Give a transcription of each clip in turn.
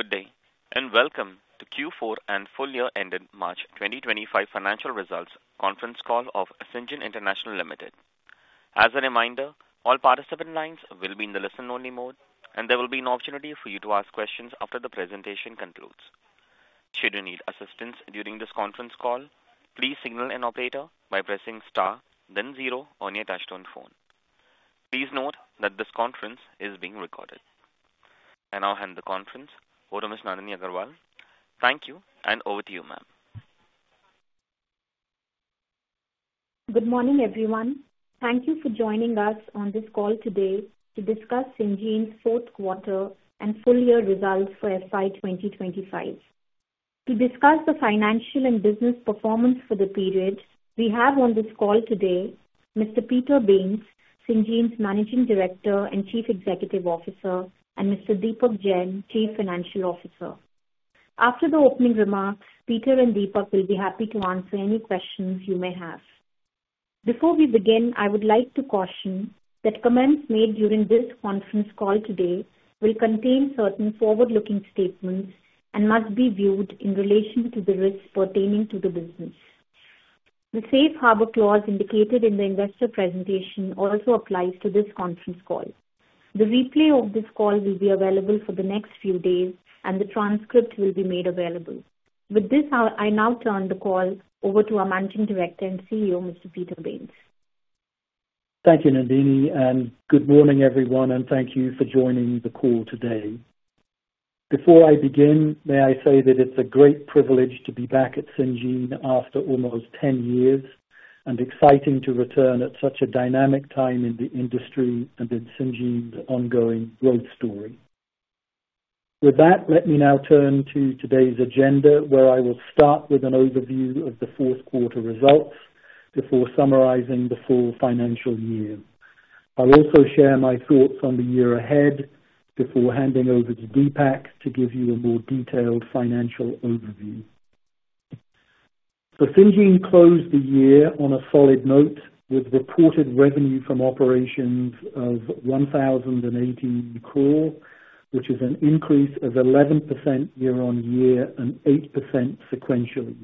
Good day, and welcome to Q4 and full-year ending March 2025 financial results conference call of Syngene International Limited. As a reminder, all participant lines will be in the listen-only mode, and there will be an opportunity for you to ask questions after the presentation concludes. Should you need assistance during this conference call, please signal an operator by pressing star, then zero on your touchstone phone. Please note that this conference is being recorded. I will hand the conference over to Ms. Nandini Agarwal. Thank you, and over to you, ma'am. Good morning, everyone. Thank you for joining us on this call today to discuss Syngene's Q4 and full-year results for FY 2025. To discuss the financial and business performance for the period, we have on this call today Mr. Peter Bains, Syngene's Managing Director and Chief Executive Officer, and Mr. Deepak Jain, Chief Financial Officer. After the opening remarks, Peter and Deepak will be happy to answer any questions you may have. Before we begin, I would like to caution that comments made during this conference call today will contain certain forward-looking statements and must be viewed in relation to the risks pertaining to the business. The safe harbor clause indicated in the investor presentation also applies to this conference call. The replay of this call will be available for the next few days, and the transcript will be made available. With this, I now turn the call over to our Managing Director and CEO, Mr. Peter Bains. Thank you, Nandini, and good morning, everyone, and thank you for joining the call today. Before I begin, may I say that it's a great privilege to be back at Syngene after almost 10 years, and exciting to return at such a dynamic time in the industry and in Syngene's ongoing growth story. With that, let me now turn to today's agenda, where I will start with an overview of the Q4 results before summarizing the full financial year. I'll also share my thoughts on the year ahead before handing over to Deepak to give you a more detailed financial overview. Syngene closed the year on a solid note with reported revenue from operations of 1,080 crore, which is an increase of 11% year-on-year and 8% sequentially.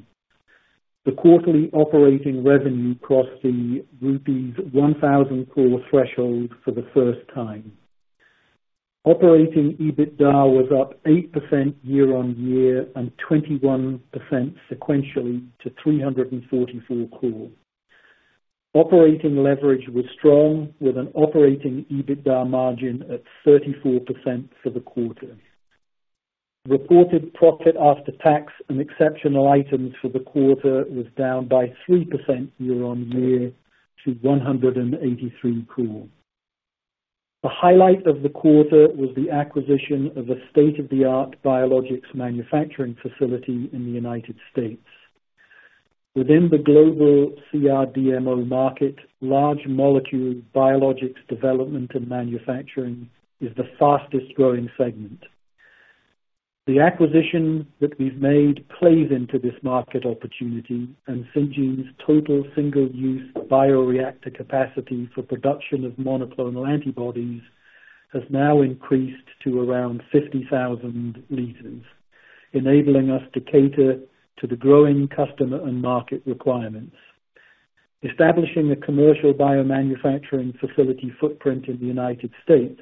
The quarterly operating revenue crossed the rupees 1,000 crore threshold for the first time. Operating EBITDA was up 8% year-on-year and 21% sequentially to 344 crore. Operating leverage was strong, with an operating EBITDA margin at 34% for the quarter. Reported profit after tax and exceptional items for the quarter was down by 3% year-on-year to 183 crore. The highlight of the quarter was the acquisition of a state-of-the-art biologics manufacturing facility in the United States. Within the global CRDMO market, large molecule biologics development and manufacturing is the fastest-growing segment. The acquisition that we've made plays into this market opportunity, and Syngene's total single-use bioreactor capacity for production of monoclonal antibodies has now increased to around 50,000 liters, enabling us to cater to the growing customer and market requirements. Establishing a commercial biomanufacturing facility footprint in the United States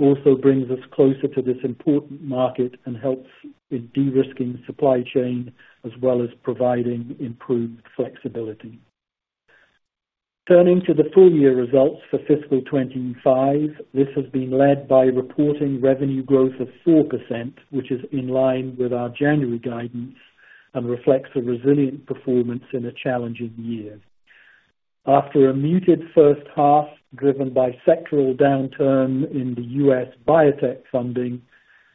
also brings us closer to this important market and helps in de-risking supply chain as well as providing improved flexibility. Turning to the full-year results for fiscal 2025, this has been led by reporting revenue growth of 4%, which is in line with our January guidance and reflects a resilient performance in a challenging year. After a muted first half driven by sectoral downturn in the U.S. biotech funding,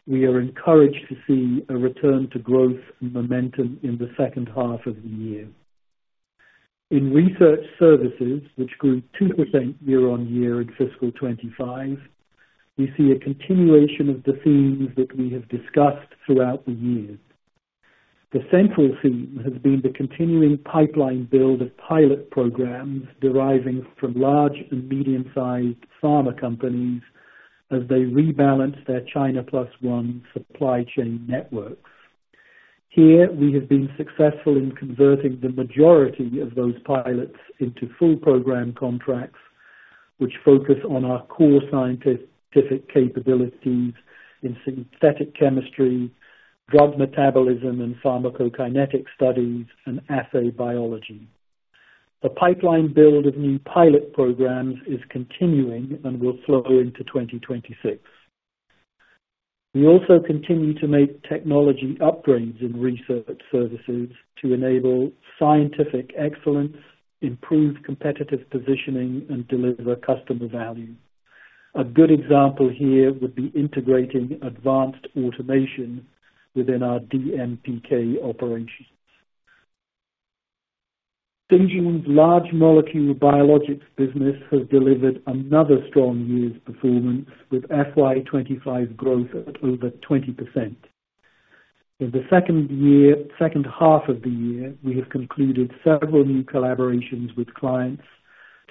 we are encouraged to see a return to growth momentum in the second half of the year. In research services, which grew 2% year-on-year in fiscal 2025, we see a continuation of the themes that we have discussed throughout the year. The central theme has been the continuing pipeline build of pilot programs deriving from large and medium-sized pharma companies as they rebalance their China +1 supply chain networks. Here, we have been successful in converting the majority of those pilots into full program contracts, which focus on our core scientific capabilities in synthetic chemistry, drug metabolism and pharmacokinetic studies, and assay biology. The pipeline build of new pilot programs is continuing and will flow into 2026. We also continue to make technology upgrades in research services to enable scientific excellence, improve competitive positioning, and deliver customer value. A good example here would be integrating advanced automation within our DMPK operations. Syngene's large molecule biologics business has delivered another strong year's performance with FY 2025 growth at over 20%. In the second half of the year, we have concluded several new collaborations with clients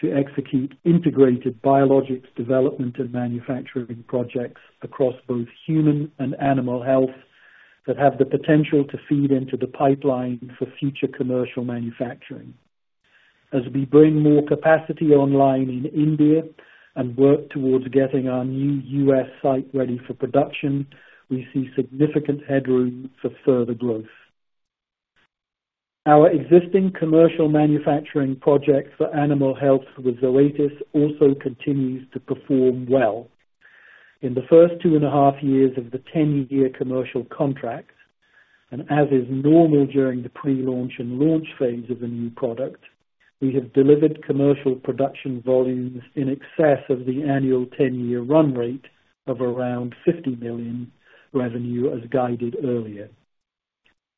to execute integrated biologics development and manufacturing projects across both human and animal health that have the potential to feed into the pipeline for future commercial manufacturing. As we bring more capacity online in India and work towards getting our new U.S. site ready for production, we see significant headroom for further growth. Our existing commercial manufacturing project for animal health with Zoetis also continues to perform well. In the first two and a half years of the 10-year commercial contract, and as is normal during the pre-launch and launch phase of a new product, we have delivered commercial production volumes in excess of the annual 10-year run rate of around $50 million revenue as guided earlier.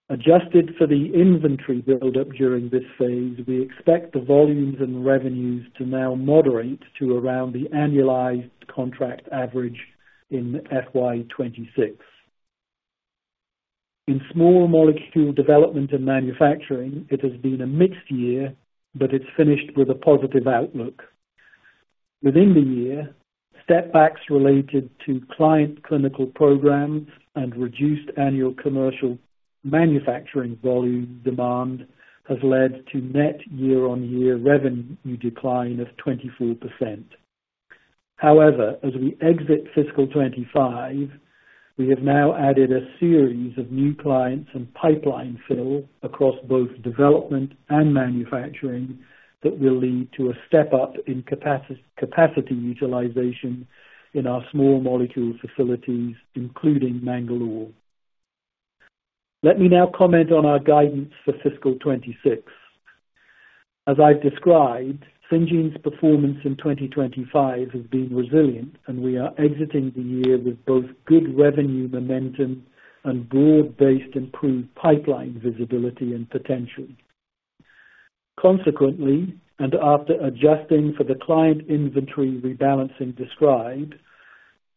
Adjusted for the inventory build-up during this phase, we expect the volumes and revenues to now moderate to around the annualized contract average in FY 2026. In small molecule development and manufacturing, it has been a mixed year, but it's finished with a positive outlook. Within the year, stepbacks related to client clinical programs and reduced annual commercial manufacturing volume demand have led to net year-on-year revenue decline of 24%. However, as we exit fiscal 2025, we have now added a series of new clients and pipeline fill across both development and manufacturing that will lead to a step-up in capacity utilization in our small molecule facilities, including Mangalore. Let me now comment on our guidance for fiscal 2026. As I've described, Syngene's performance in 2025 has been resilient, and we are exiting the year with both good revenue momentum and broad-based improved pipeline visibility and potential. Consequently, and after adjusting for the client inventory rebalancing described,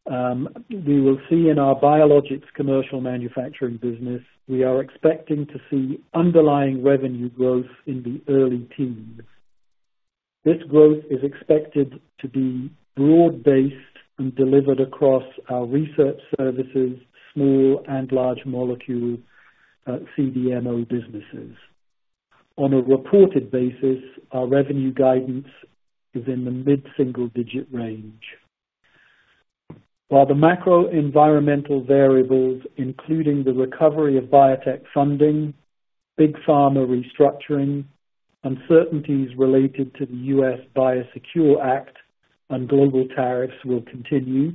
we will see in our biologics commercial manufacturing business, we are expecting to see underlying revenue growth in the early teens. This growth is expected to be broad-based and delivered across our research services, small and large molecule CDMO businesses. On a reported basis, our revenue guidance is in the mid-single-digit range. While the macro-environmental variables, including the recovery of biotech funding, big pharma restructuring, uncertainties related to the U.S. Biosecure Act, and global tariffs will continue,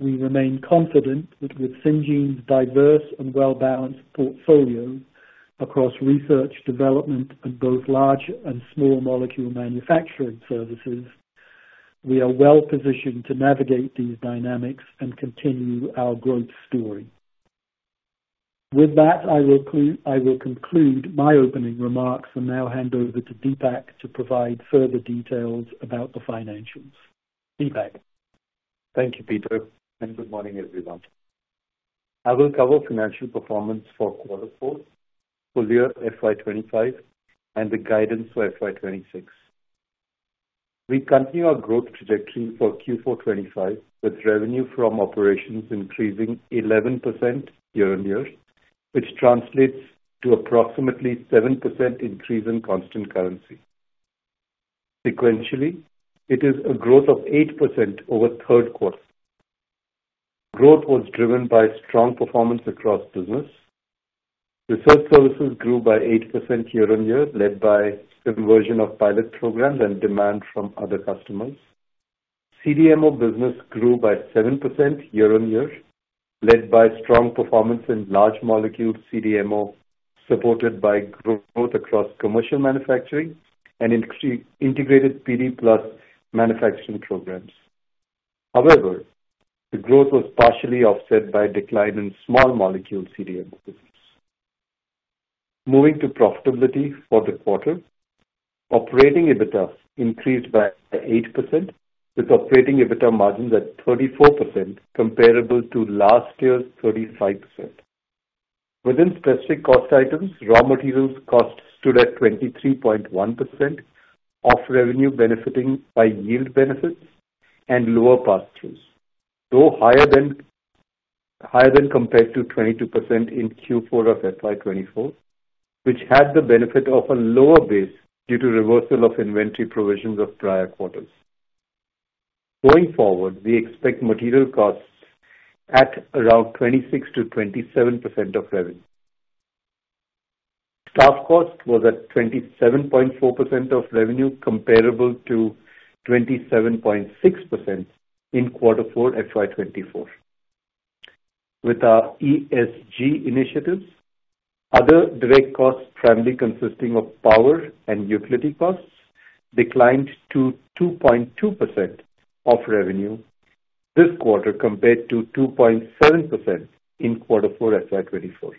we remain confident that with Syngene's diverse and well-balanced portfolio across research development and both large and small molecule manufacturing services, we are well-positioned to navigate these dynamics and continue our growth story. With that, I will conclude my opening remarks and now hand over to Deepak to provide further details about the financials. Deepak? Thank you, Peter, and good morning, everyone. I will cover financial performance for quarter four, full-year FY 2025, and the guidance for FY 2026. We continue our growth trajectory for Q4 2025 with revenue from operations increasing 11% year-on-year, which translates to approximately 7% increase in constant currency. Sequentially, it is a growth of 8% over third quarter. Growth was driven by strong performance across business. Research services grew by 8% year-on-year, led by conversion of pilot programs and demand from other customers. CDMO business grew by 7% year-on-year, led by strong performance in large molecule CDMO supported by growth across commercial manufacturing and integrated PD+ manufacturing programs. However, the growth was partially offset by a decline in small molecule CDMO business. Moving to profitability for the quarter, operating EBITDA increased by 8%, with operating EBITDA margins at 34%, comparable to last year's 35%. Within specific cost items, raw materials costs stood at 23.1% of revenue, benefiting by yield benefits and lower pass-throughs, though higher than compared to 22% in Q4 of FY 2024, which had the benefit of a lower base due to reversal of inventory provisions of prior quarters. Going forward, we expect material costs at around 26%-27% of revenue. Staff cost was at 27.4% of revenue, comparable to 27.6% in quarter four FY 2024. With our ESG initiatives, other direct costs primarily consisting of power and utility costs declined to 2.2% of revenue this quarter compared to 2.7% in quarter four FY 2024.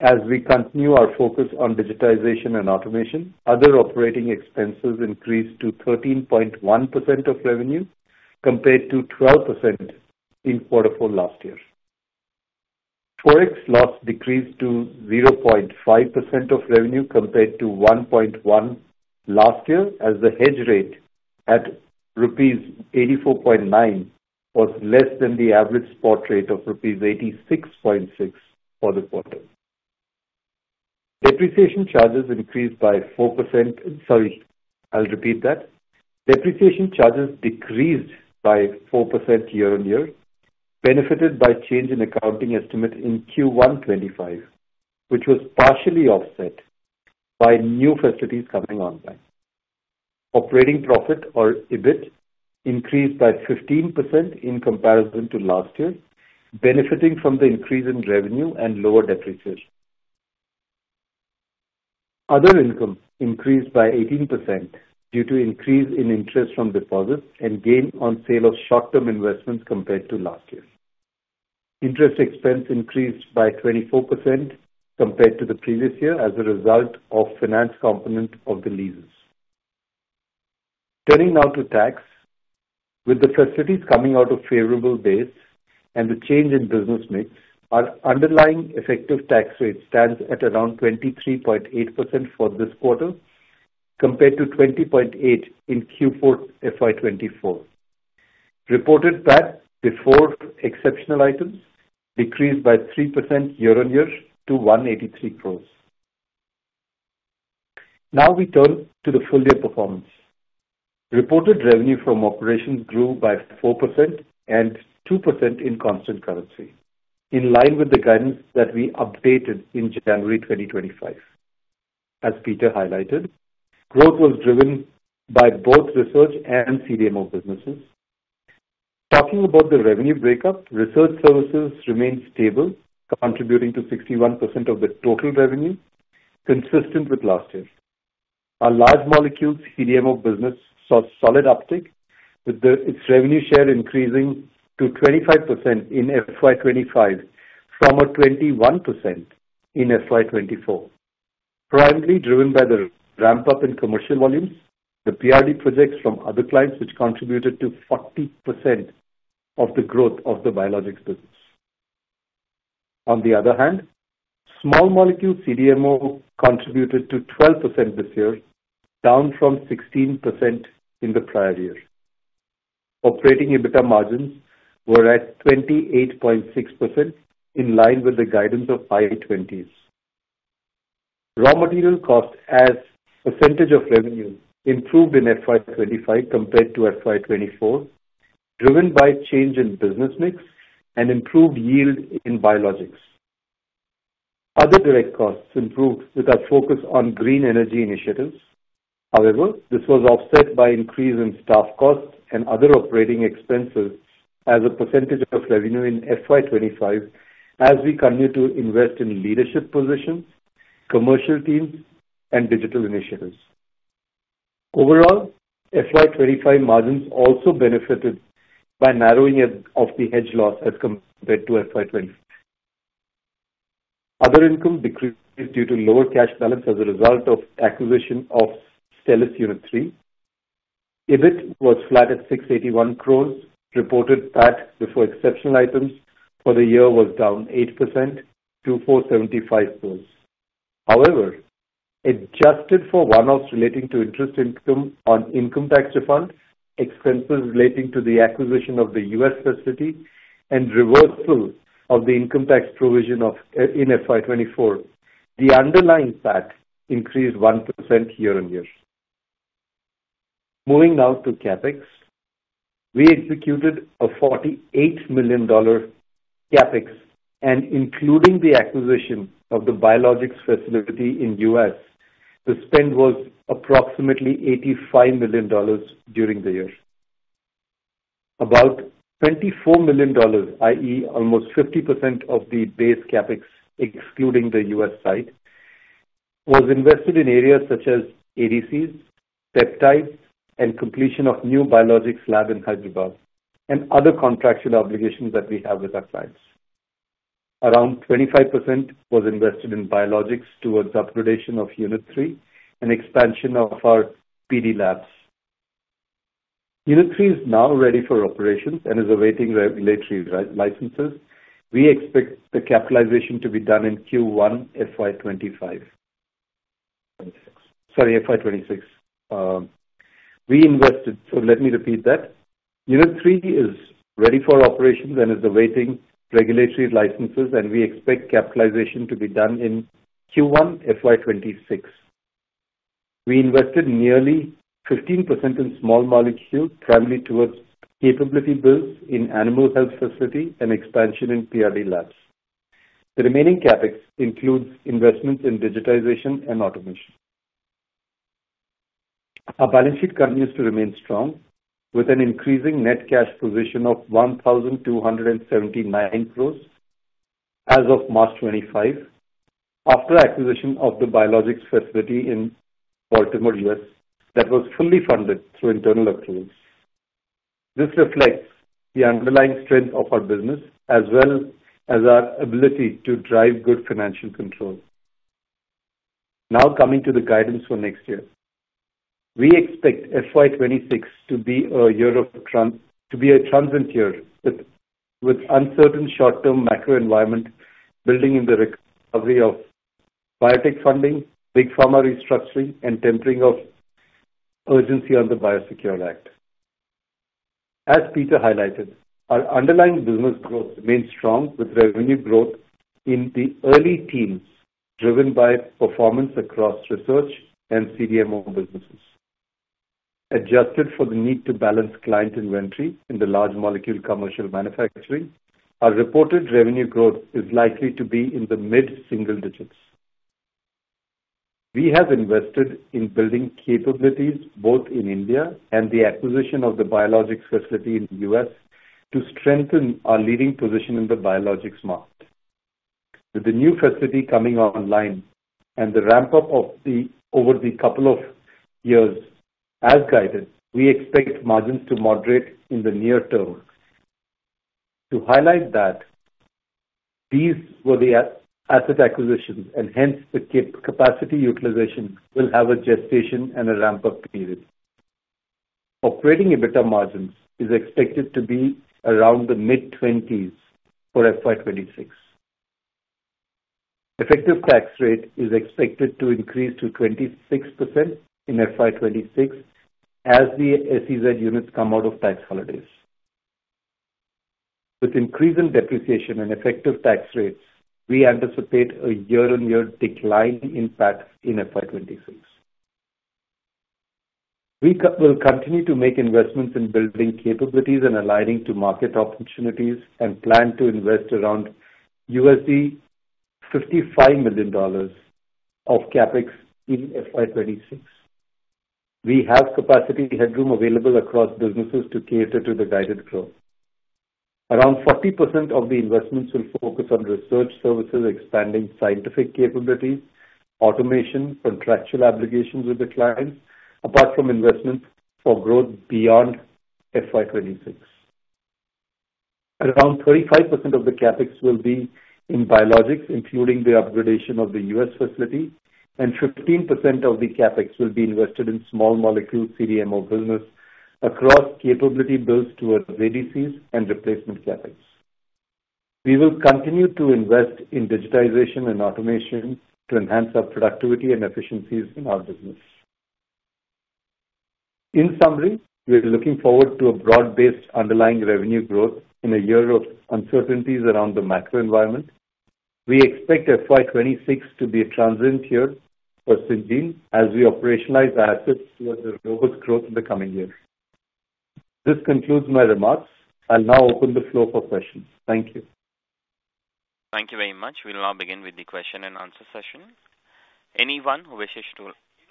As we continue our focus on digitization and automation, other operating expenses increased to 13.1% of revenue compared to 12% in quarter four last year. Forex loss decreased to 0.5% of revenue compared to 1.1% last year as the hedge rate at rupees 84.9 was less than the average spot rate of rupees 86.6 for the quarter. Depreciation charges increased by 4%. Sorry, I'll repeat that. Depreciation charges decreased by 4% year-on-year, benefited by change in accounting estimate in Q1 2025, which was partially offset by new facilities coming online. Operating profit or EBIT increased by 15% in comparison to last year, benefiting from the increase in revenue and lower depreciation. Other income increased by 18% due to increase in interest from deposits and gain on sale of short-term investments compared to last year. Interest expense increased by 24% compared to the previous year as a result of finance component of the leases. Turning now to tax, with the facilities coming out of favorable base and the change in business mix, our underlying effective tax rate stands at around 23.8% for this quarter compared to 20.8% in Q4 FY 2024. Reported PAT before exceptional items decreased by 3% year-on-year to 183 crore. Now we turn to the full-year performance. Reported revenue from operations grew by 4% and 2% in constant currency, in line with the guidance that we updated in January 2025. As Peter highlighted, growth was driven by both research and CDMO businesses. Talking about the revenue breakup, research services remained stable, contributing to 61% of the total revenue, consistent with last year. Our large molecule CDMO business saw solid uptake, with its revenue share increasing to 25% in FY 2025 from 21% in FY 2024. Primarily driven by the ramp-up in commercial volumes, the PRD projects from other clients, which contributed to 40% of the growth of the biologics business. On the other hand, small molecule CDMO contributed to 12% this year, down from 16% in the prior year. Operating EBITDA margins were at 28.6%, in line with the guidance of high 20s. Raw material cost as percentage of revenue improved in FY 2025 compared to FY 2024, driven by change in business mix and improved yield in biologics. Other direct costs improved with our focus on green energy initiatives. However, this was offset by increase in staff costs and other operating expenses as a percentage of revenue in FY 2025, as we continue to invest in leadership positions, commercial teams, and digital initiatives. Overall, FY 2025 margins also benefited by narrowing of the hedge loss as compared to FY 2025. Other income decreased due to lower cash balance as a result of acquisition of Stelis Unit 3. EBIT was flat at 681 crore. Reported PAT before exceptional items for the year was down 8% to 475 crore. However, adjusted for one-offs relating to interest income on income tax refund, expenses relating to the acquisition of the U.S. facility, and reversal of the income tax provision in FY 2024, the underlying PAT increased 1% year-on-year. Moving now to CapEx, we executed a $48 million CapEx, and including the acquisition of the biologics facility in the United States, the spend was approximately $85 million during the year. About $24 million, i.e., almost 50% of the base CapEx, excluding the U.S. site, was invested in areas such as ADCs, peptides, and completion of new biologics lab in Hyderabad, and other contractual obligations that we have with our clients. Around 25% was invested in biologics towards upgradation of Unit 3 and expansion of our PD labs. Unit 3 is now ready for operations and is awaiting regulatory licenses. We expect the capitalization to be done in Q1 FY 2026. Sorry, FY 2026. We invested, so let me repeat that. Unit 3 is ready for operations and is awaiting regulatory licenses, and we expect capitalization to be done in Q1 FY 2026. We invested nearly 15% in small molecule, primarily towards capability builds in animal health facility and expansion in PRD labs. The remaining CapEx includes investments in digitization and automation. Our balance sheet continues to remain strong, with an increasing net cash position of 1,279 crore as of March 25, after acquisition of the biologics facility in Baltimore, United States, that was fully funded through internal accruals. This reflects the underlying strength of our business, as well as our ability to drive good financial control. Now coming to the guidance for next year, we expect FY 2026 to be a transit year with uncertain short-term macro environment building in the recovery of biotech funding, big pharma restructuring, and tempering of urgency on the Biosecure Act. As Peter highlighted, our underlying business growth remains strong, with revenue growth in the early teens driven by performance across research and CDMO businesses. Adjusted for the need to balance client inventory in the large molecule commercial manufacturing, our reported revenue growth is likely to be in the mid-single digits. We have invested in building capabilities both in India and the acquisition of the biologics facility in the United States to strengthen our leading position in the biologics market. With the new facility coming online and the ramp-up over the couple of years as guided, we expect margins to moderate in the near term. To highlight that, these were the asset acquisitions, and hence the capacity utilization will have a gestation and a ramp-up period. Operating EBITDA margins is expected to be around the mid-20s for FY 2026. Effective tax rate is expected to increase to 26% in FY 2026 as the SEZ units come out of tax holidays. With increase in depreciation and effective tax rates, we anticipate a year-on-year decline in PAT in FY 2026. We will continue to make investments in building capabilities and aligning to market opportunities and plan to invest around $55 million of CapEx in FY 2026. We have capacity headroom available across businesses to cater to the guided growth. Around 40% of the investments will focus on research services, expanding scientific capabilities, automation, contractual obligations with the clients, apart from investments for growth beyond FY 2026. Around 35% of the CapEx will be in biologics, including the upgradation of the U.S. facility, and 15% of the CapEx will be invested in small molecule CDMO business across capability builds towards ADCs and replacement CapEx. We will continue to invest in digitization and automation to enhance our productivity and efficiencies in our business. In summary, we're looking forward to a broad-based underlying revenue growth in a year of uncertainties around the macro environment. We expect FY 2026 to be a transit year for Syngene as we operationalize assets towards a robust growth in the coming years. This concludes my remarks. I'll now open the floor for questions. Thank you. Thank you very much. We'll now begin with the question and answer session. Anyone who wishes to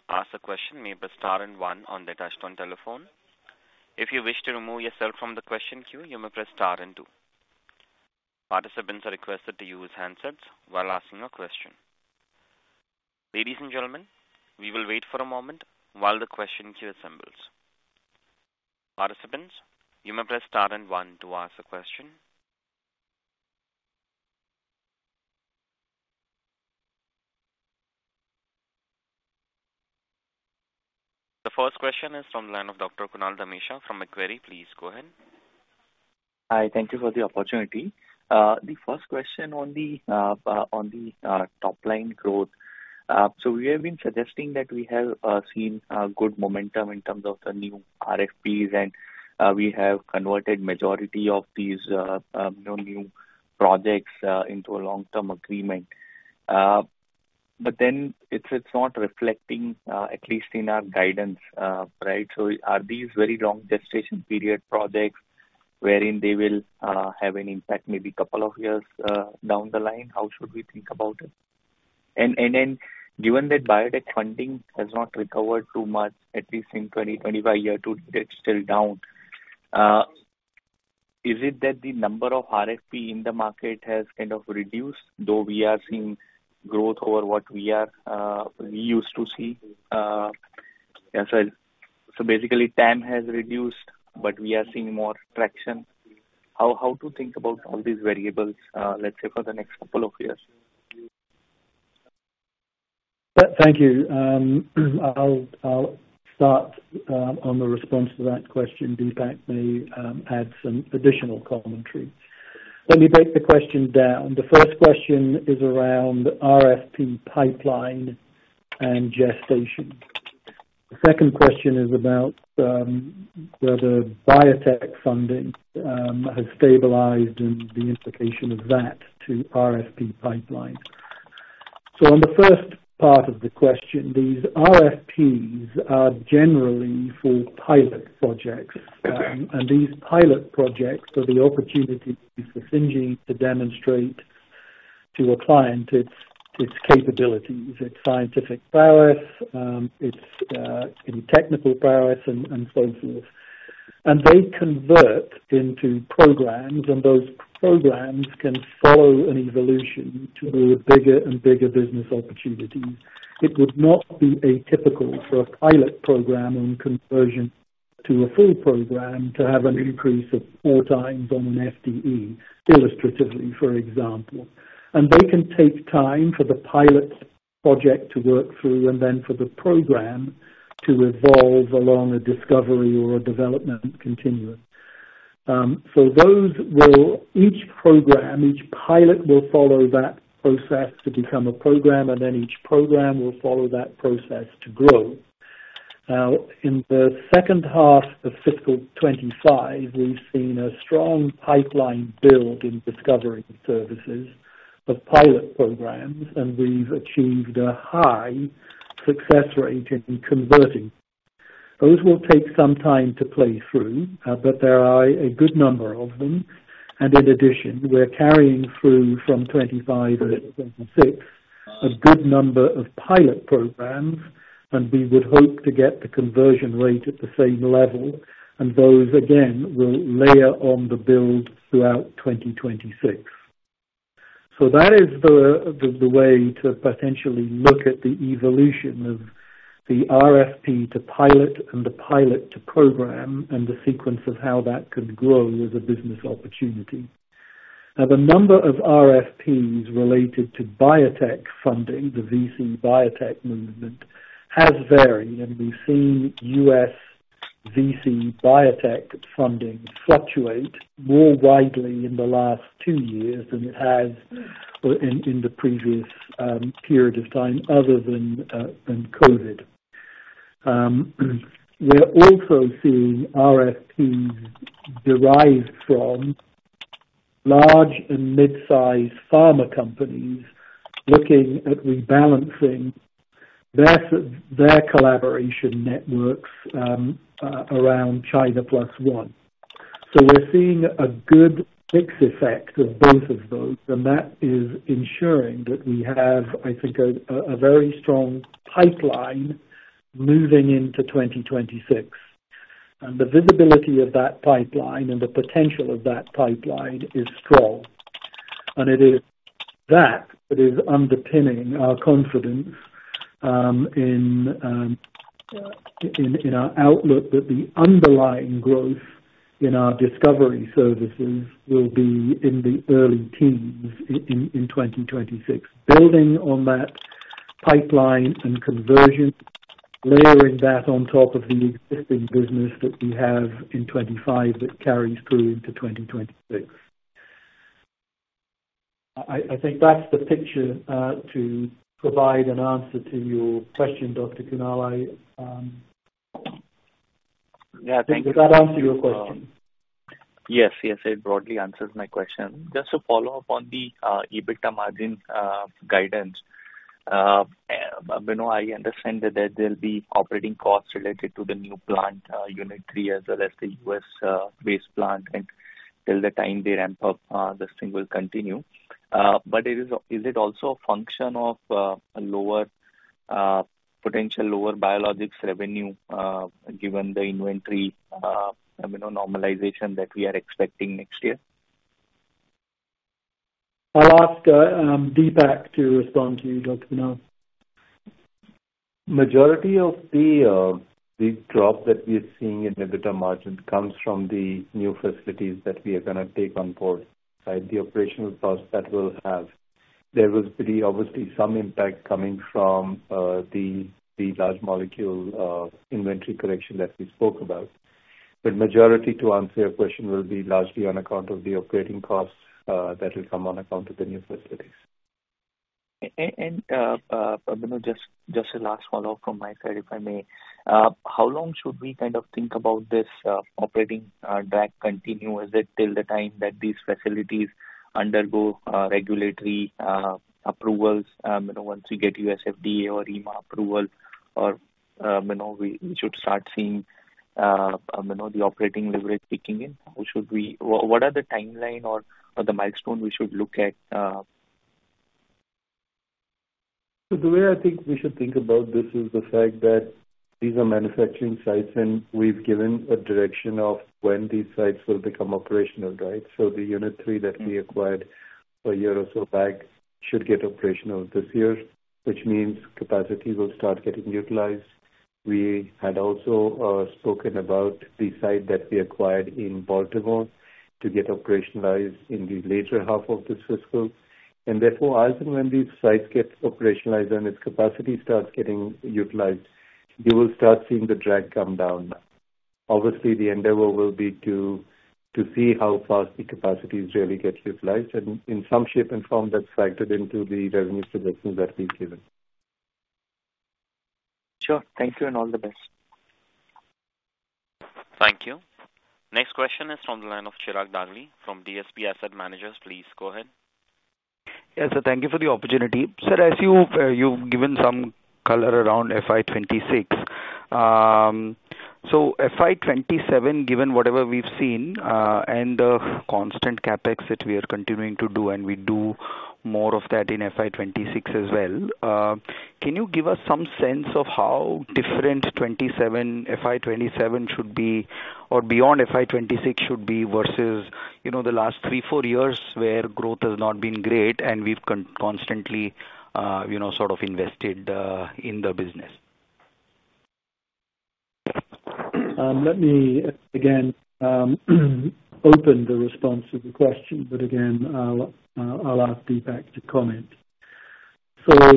ask a question may press star and one on the touch-tone telephone. If you wish to remove yourself from the question queue, you may press star and two. Participants are requested to use handsets while asking a question. Ladies and gentlemen, we will wait for a moment while the question queue assembles. Participants, you may press star and one to ask a question. The first question is from the line of Dr. Kunal Damisha from Macquarie. Please go ahead. Hi, thank you for the opportunity. The first question on the top line growth, we have been suggesting that we have seen good momentum in terms of the new RFPs, and we have converted the majority of these new projects into a long-term agreement. It is not reflecting, at least in our guidance, right? Are these very long gestation period projects wherein they will have an impact maybe a couple of years down the line? How should we think about it? Given that biotech funding has not recovered too much, at least in 2025 year to date, still down, is it that the number of RFP in the market has kind of reduced, though we are seeing growth over what we used to see? Basically, TAM has reduced, but we are seeing more traction. How to think about all these variables, let's say, for the next couple of years? Thank you. I'll start on the response to that question and Deepak may add some additional commentary. Let me break the question down. The first question is around RFP pipeline and gestation. The second question is about whether biotech funding has stabilized and the implication of that to RFP pipeline. On the first part of the question, these RFPs are generally for pilot projects, and these pilot projects are the opportunity for Syngene to demonstrate to a client its capabilities, its scientific prowess, its technical prowess, and so forth. They convert into programs, and those programs can follow an evolution to a bigger and bigger business opportunity. It would not be atypical for a pilot program on conversion to a full program to have an increase of four times on an FDE, illustratively, for example. They can take time for the pilot project to work through and then for the program to evolve along a discovery or a development continuum. Each program, each pilot will follow that process to become a program, and then each program will follow that process to grow. In the second half of fiscal 2025, we've seen a strong pipeline build in discovery services of pilot programs, and we've achieved a high success rate in converting. Those will take some time to play through, but there are a good number of them. In addition, we're carrying through from 2025 to 2026 a good number of pilot programs, and we would hope to get the conversion rate at the same level. Those, again, will layer on the build throughout 2026. That is the way to potentially look at the evolution of the RFP to pilot and the pilot to program and the sequence of how that can grow as a business opportunity. Now, the number of RFPs related to biotech funding, the VC biotech movement, has varied, and we've seen U.S. VC biotech funding fluctuate more widely in the last two years than it has in the previous period of time other than COVID. We're also seeing RFPs derived from large and mid-size pharma companies looking at rebalancing their collaboration networks around China plus one. We're seeing a good mix effect of both of those, and that is ensuring that we have, I think, a very strong pipeline moving into 2026. The visibility of that pipeline and the potential of that pipeline is strong. It is that that is underpinning our confidence in our outlook that the underlying growth in our discovery services will be in the early teens in 2026. Building on that pipeline and conversion, layering that on top of the existing business that we have in 2025 that carries through into 2026. I think that's the picture to provide an answer to your question, Dr. Kunal. Yeah, thank you. Did that answer your question? Yes, yes, it broadly answers my question. Just to follow up on the EBITDA margin guidance, I understand that there'll be operating costs related to the new plant, Unit 3, as well as the U.S.-based plant. Till the time they ramp up, this thing will continue. Is it also a function of potential lower biologics revenue given the inventory normalization that we are expecting next year? I'll ask Deepak to respond to you, Dr. Kunal. Majority of the drop that we are seeing in EBITDA margin comes from the new facilities that we are going to take on board. The operational costs that we'll have, there will be obviously some impact coming from the large molecule inventory correction that we spoke about. Majority, to answer your question, will be largely on account of the operating costs that will come on account of the new facilities. Just a last follow-up from my side, if I may. How long should we kind of think about this operating back continuum? Is it till the time that these facilities undergo regulatory approvals, once we get U.S. FDA or EMA approval, or we should start seeing the operating leverage kicking in? What are the timeline or the milestone we should look at? The way I think we should think about this is the fact that these are manufacturing sites, and we've given a direction of when these sites will become operational, right? The Unit 3 that we acquired a year or so back should get operational this year, which means capacity will start getting utilized. We had also spoken about the site that we acquired in Baltimore to get operationalized in the later half of this fiscal. Therefore, as and when these sites get operationalized and its capacity starts getting utilized, you will start seeing the drag come down. Obviously, the endeavor will be to see how fast the capacities really get utilized and in some shape and form that's factored into the revenue projections that we've given. Sure. Thank you and all the best. Thank you. Next question is from the line of Chirag Daghli from DSP Asset Managers. Please go ahead. Yes, thank you for the opportunity. Sir, as you've given some color around FY 2026, FY 2027, given whatever we've seen and the constant CapEx that we are continuing to do, and we do more of that in FY 2026 as well, can you give us some sense of how different FY 2027 should be or beyond FY 2026 should be versus the last three, four years where growth has not been great and we've constantly sort of invested in the business? Let me, again, open the response to the question, but again, I'll ask Deepak to comment. How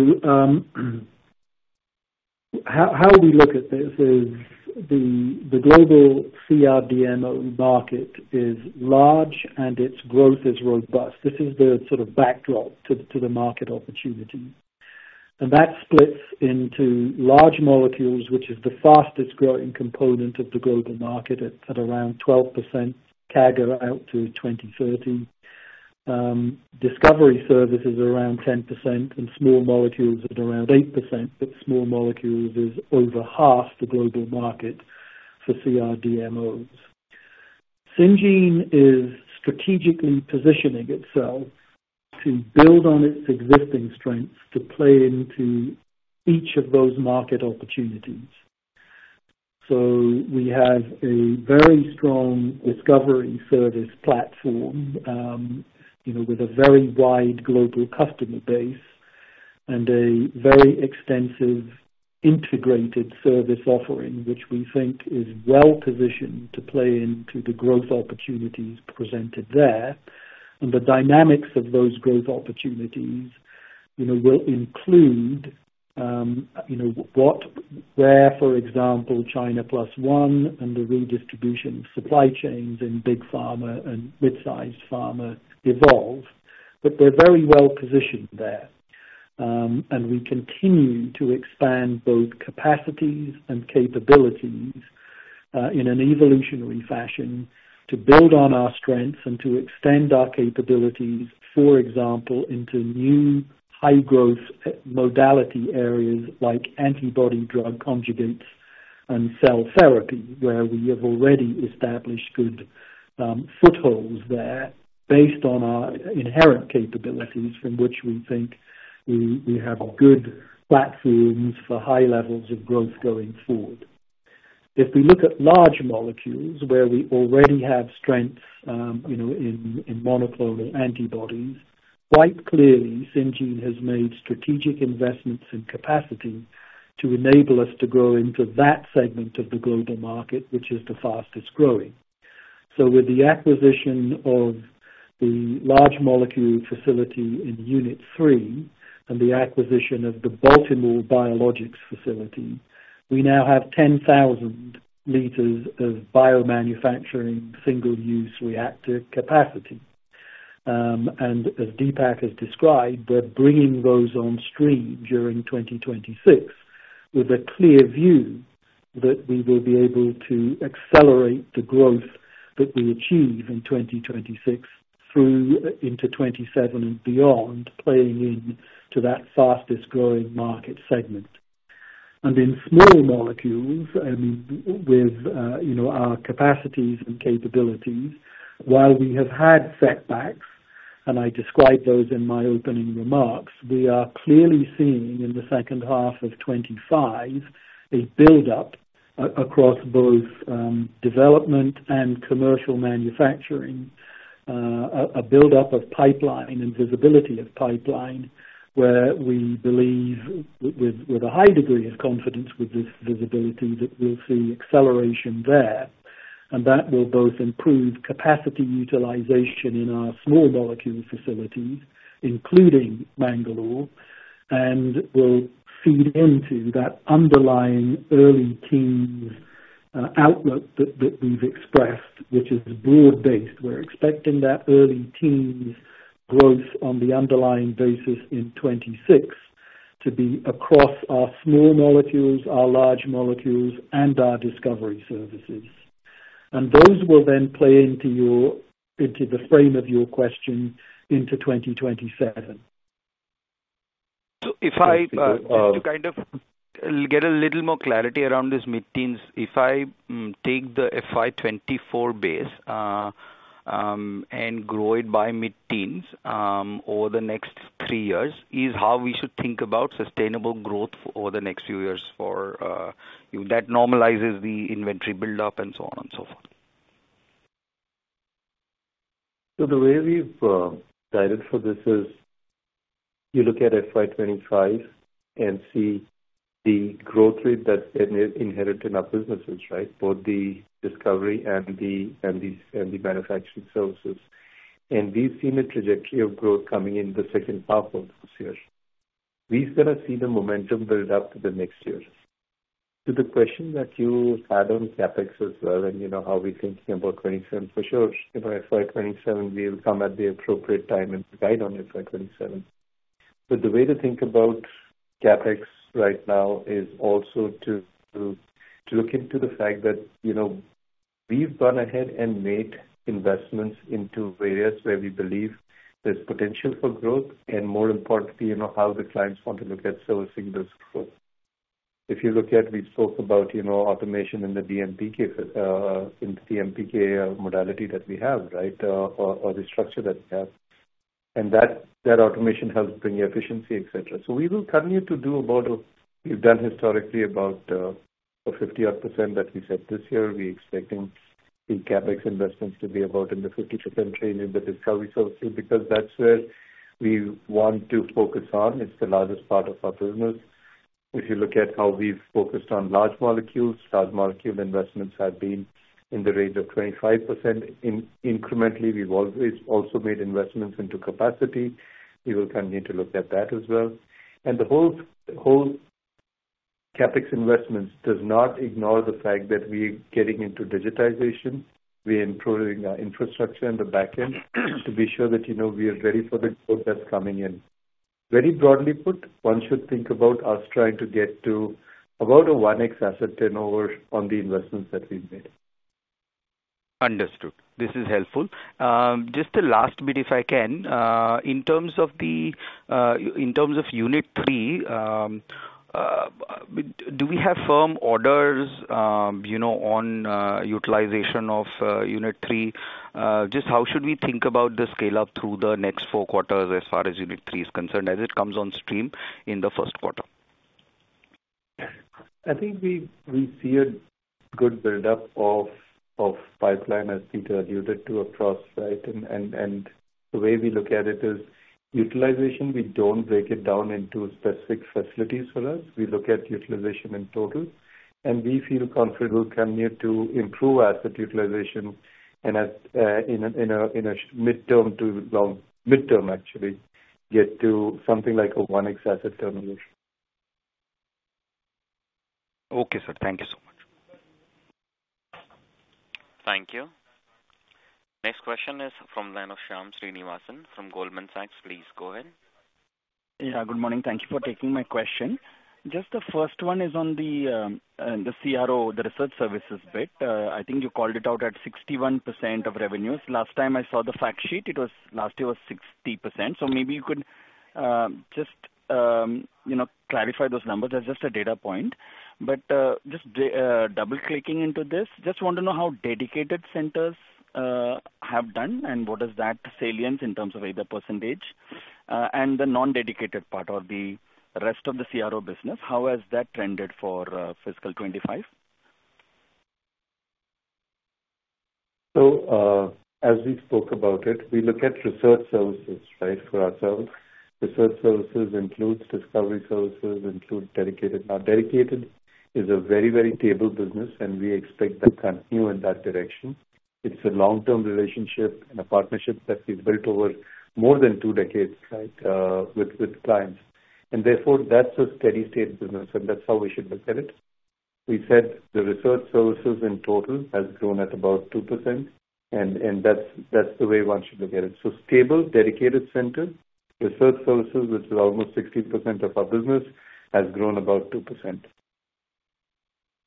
we look at this is the global CRDMO market is large and its growth is robust. This is the sort of backdrop to the market opportunity. That splits into large molecules, which is the fastest growing component of the global market at around 12% CAGR out to 2030. Discovery services are around 10% and small molecules at around 8%, but small molecules is over half the global market for CRDMOs. Syngene is strategically positioning itself to build on its existing strengths to play into each of those market opportunities. We have a very strong discovery service platform with a very wide global customer base and a very extensive integrated service offering, which we think is well positioned to play into the growth opportunities presented there. The dynamics of those growth opportunities will include what, where, for example, China +1 and the redistribution of supply chains in big pharma and mid-sized pharma evolve. They are very well positioned there. We continue to expand both capacities and capabilities in an evolutionary fashion to build on our strengths and to extend our capabilities, for example, into new high-growth modality areas like antibody drug conjugates and cell therapy, where we have already established good footholds there based on our inherent capabilities from which we think we have good platforms for high levels of growth going forward. If we look at large molecules where we already have strengths in monoclonal antibodies, quite clearly, Syngene has made strategic investments in capacity to enable us to grow into that segment of the global market, which is the fastest growing. With the acquisition of the large molecule facility in Unit 3 and the acquisition of the Baltimore Biologics facility, we now have 10,000 liters of biomanufacturing single-use reactor capacity. As Deepak has described, we're bringing those on stream during 2026 with a clear view that we will be able to accelerate the growth that we achieve in 2026 through into 2027 and beyond, playing into that fastest growing market segment. In small molecules, I mean, with our capacities and capabilities, while we have had setbacks, and I described those in my opening remarks, we are clearly seeing in the second half of 2025 a build-up across both development and commercial manufacturing, a build-up of pipeline and visibility of pipeline where we believe with a high degree of confidence with this visibility that we'll see acceleration there. That will both improve capacity utilization in our small molecule facilities, including Mangalore, and will feed into that underlying early teens outlook that we've expressed, which is broad-based. We're expecting that early teens growth on the underlying basis in 2026 to be across our small molecules, our large molecules, and our discovery services. Those will then play into the frame of your question into 2027. If I kind of get a little more clarity around this mid-teens, if I take the FY 2024 base and grow it by mid-teens over the next three years, is how we should think about sustainable growth over the next few years for that normalizes the inventory build-up and so on and so forth? The way we've guided for this is you look at FY 2025 and see the growth rate that's inherent in our businesses, right, both the discovery and the manufacturing services. We've seen a trajectory of growth coming in the second half of this year. We're going to see the momentum build up to the next year. To the question that you had on CapEx as well and how we're thinking about 2027, for sure, FY 2027 will come at the appropriate time and guide on FY 2027. The way to think about CapEx right now is also to look into the fact that we've gone ahead and made investments into areas where we believe there's potential for growth and, more importantly, how the clients want to look at servicing those growth. If you look at, we spoke about automation in the DMPK modality that we have, right, or the structure that we have. That automation helps bring efficiency, etc. We will continue to do about a, we've done historically about a 50-odd % that we said this year. We're expecting the CapEx investments to be about in the 50% range in the discovery services because that's where we want to focus on. It's the largest part of our business. If you look at how we've focused on large molecules, large molecule investments have been in the range of 25%. Incrementally, we've always also made investments into capacity. We will continue to look at that as well. The whole CapEx investments does not ignore the fact that we're getting into digitization. We're improving our infrastructure on the backend to be sure that we are ready for the growth that's coming in. Very broadly put, one should think about us trying to get to about a 1x asset turnover on the investments that we've made. Understood. This is helpful. Just the last bit, if I can. In terms of Unit 3, do we have firm orders on utilization of Unit 3? Just how should we think about the scale-up through the next four quarters as far as Unit 3 is concerned as it comes on stream in the first quarter? I think we see a good build-up of pipeline, as Peter alluded to, across, right? The way we look at it is utilization, we do not break it down into specific facilities for us. We look at utilization in total. We feel comfortable coming here to improve asset utilization and in a mid-term to long mid-term, actually, get to something like a 1x asset turnover. Okay, sir. Thank you so much. Thank you. Next question is from the line of Shyam Srinivasan from Goldman Sachs. Please go ahead. Yeah, good morning. Thank you for taking my question. Just the first one is on the CRO, the research services bit. I think you called it out at 61% of revenues. Last time I saw the factsheet, it was last year was 60%. Maybe you could just clarify those numbers. That's just a data point. Just double-clicking into this, just want to know how dedicated centers have done and what is that salience in terms of either percentage and the non-dedicated part or the rest of the CRO business? How has that trended for fiscal 2025? As we spoke about it, we look at research services, right, for ourselves. Research services includes discovery services, include dedicated. Now, dedicated is a very, very stable business, and we expect that to continue in that direction. It's a long-term relationship and a partnership that we've built over more than two decades, right, with clients. Therefore, that's a steady-state business, and that's how we should look at it. We said the research services in total has grown at about 2%, and that's the way one should look at it. Stable, dedicated center, research services, which is almost 60% of our business, has grown about 2%.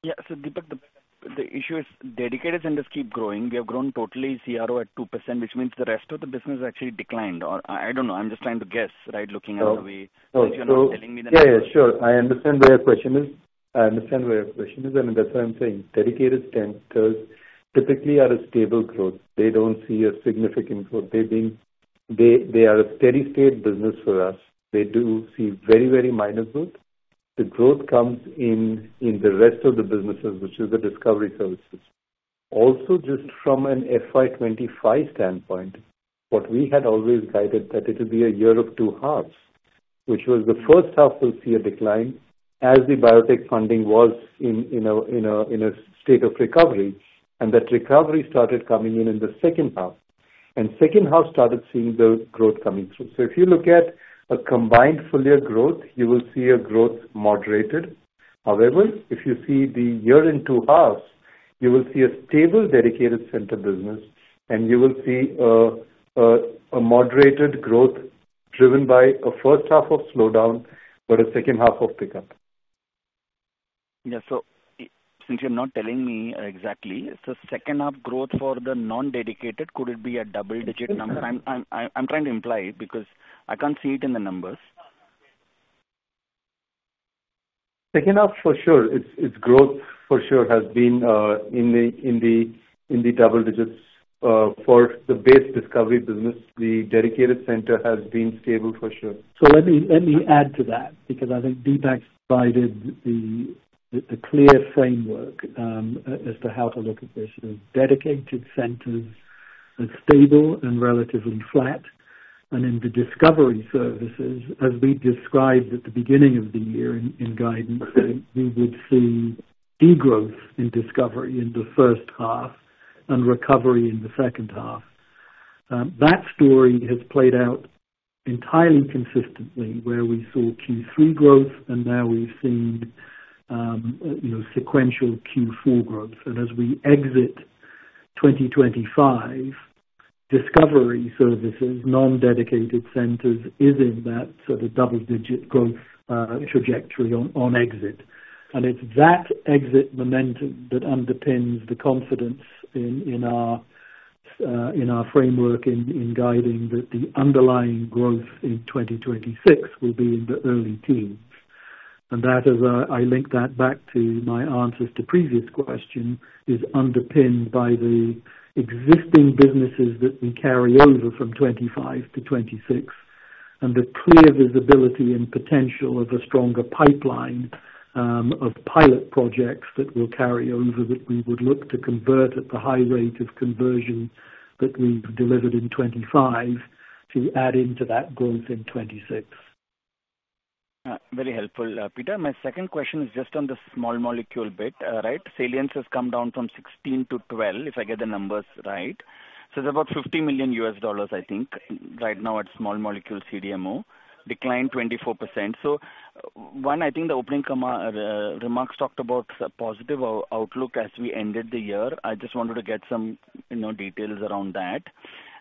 Yeah, Deepak, the issue is dedicated centers keep growing. We have grown totally CRO at 2%, which means the rest of the business actually declined. I don't know. I'm just trying to guess, right, looking at the way you're not telling me the number. Yeah, yeah, sure. I understand where your question is. I understand where your question is, and that's why I'm saying dedicated centers typically are a stable growth. They don't see a significant growth. They are a steady-state business for us. They do see very, very minor growth. The growth comes in the rest of the businesses, which is the discovery services. Also, just from an FY 2025 standpoint, what we had always guided that it would be a year of two halves, which was the first half will see a decline as the biotech funding was in a state of recovery. That recovery started coming in in the second half. Second half started seeing the growth coming through. If you look at a combined full-year growth, you will see a growth moderated. However, if you see the year in two halves, you will see a stable dedicated center business, and you will see a moderated growth driven by a first half of slowdown, but a second half of pickup. Yeah, since you're not telling me exactly, second half growth for the non-dedicated, could it be a double-digit number? I'm trying to imply because I can't see it in the numbers. Second half, for sure, its growth for sure has been in the double digits for the base discovery business. The dedicated center has been stable for sure. Let me add to that because I think Deepak provided the clear framework as to how to look at this. Dedicated centers are stable and relatively flat. In the discovery services, as we described at the beginning of the year in guidance, we would see degrowth in discovery in the first half and recovery in the second half. That story has played out entirely consistently where we saw Q3 growth, and now we've seen sequential Q4 growth. As we exit 2025, discovery services, non-dedicated centers is in that sort of double-digit growth trajectory on exit. It is that exit momentum that underpins the confidence in our framework in guiding that the underlying growth in 2026 will be in the early teens. As I link that back to my answers to the previous question, it is underpinned by the existing businesses that we carry over from 2025-2026 and the clear visibility and potential of a stronger pipeline of pilot projects that will carry over that we would look to convert at the high rate of conversion that we have delivered in 2025 to add into that growth in 2026. Very helpful, Peter. My second question is just on the small molecule bit, right? Salience has come down from 16-12, if I get the numbers right. So it's about $50 million, I think, right now at small molecule CDMO. Decline 24%. One, I think the opening remarks talked about a positive outlook as we ended the year. I just wanted to get some details around that.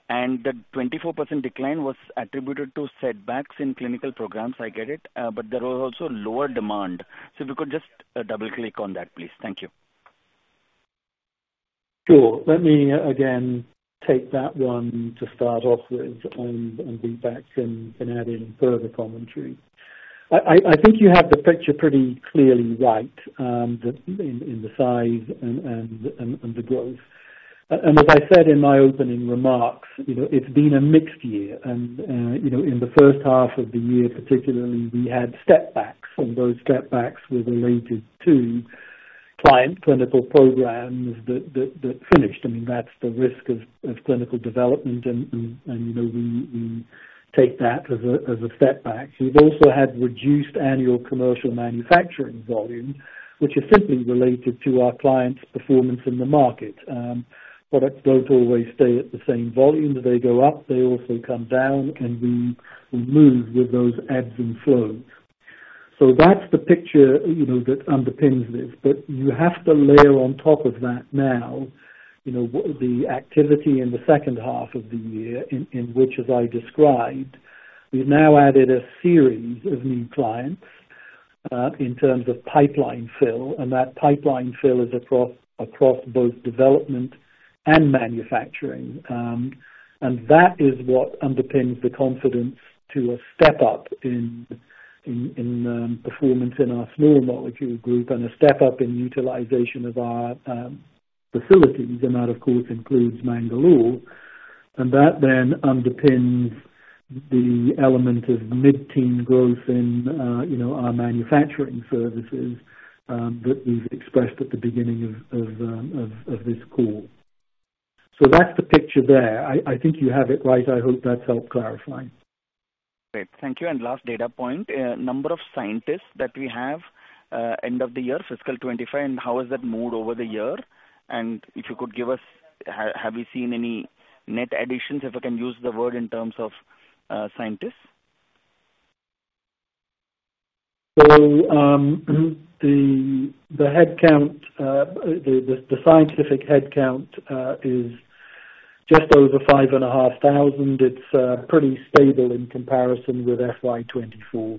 The 24% decline was attributed to setbacks in clinical programs, I get it, but there was also lower demand. If you could just double-click on that, please. Thank you. Sure. Let me again take that one to start off with and Deepak can add in further commentary. I think you have the picture pretty clearly right in the size and the growth. As I said in my opening remarks, it's been a mixed year. In the first half of the year, particularly, we had setbacks, and those setbacks were related to client clinical programs that finished. I mean, that's the risk of clinical development, and we take that as a setback. We've also had reduced annual commercial manufacturing volume, which is simply related to our clients' performance in the market. Products do not always stay at the same volume. They go up. They also come down, and we move with those ebbs and flows. That is the picture that underpins this. You have to layer on top of that now the activity in the second half of the year in which, as I described, we've now added a series of new clients in terms of pipeline fill. That pipeline fill is across both development and manufacturing. That is what underpins the confidence to a step up in performance in our small molecule group and a step up in utilization of our facilities. That, of course, includes Mangalore. That then underpins the element of mid-teen growth in our manufacturing services that we've expressed at the beginning of this call. That's the picture there. I think you have it right. I hope that's helped clarify. Great. Thank you. Last data point, number of scientists that we have end of the year, fiscal 2025, and how has that moved over the year? If you could give us, have we seen any net additions, if I can use the word in terms of scientists? The headcount, the scientific headcount is just over 5,500. It's pretty stable in comparison with FY 2024.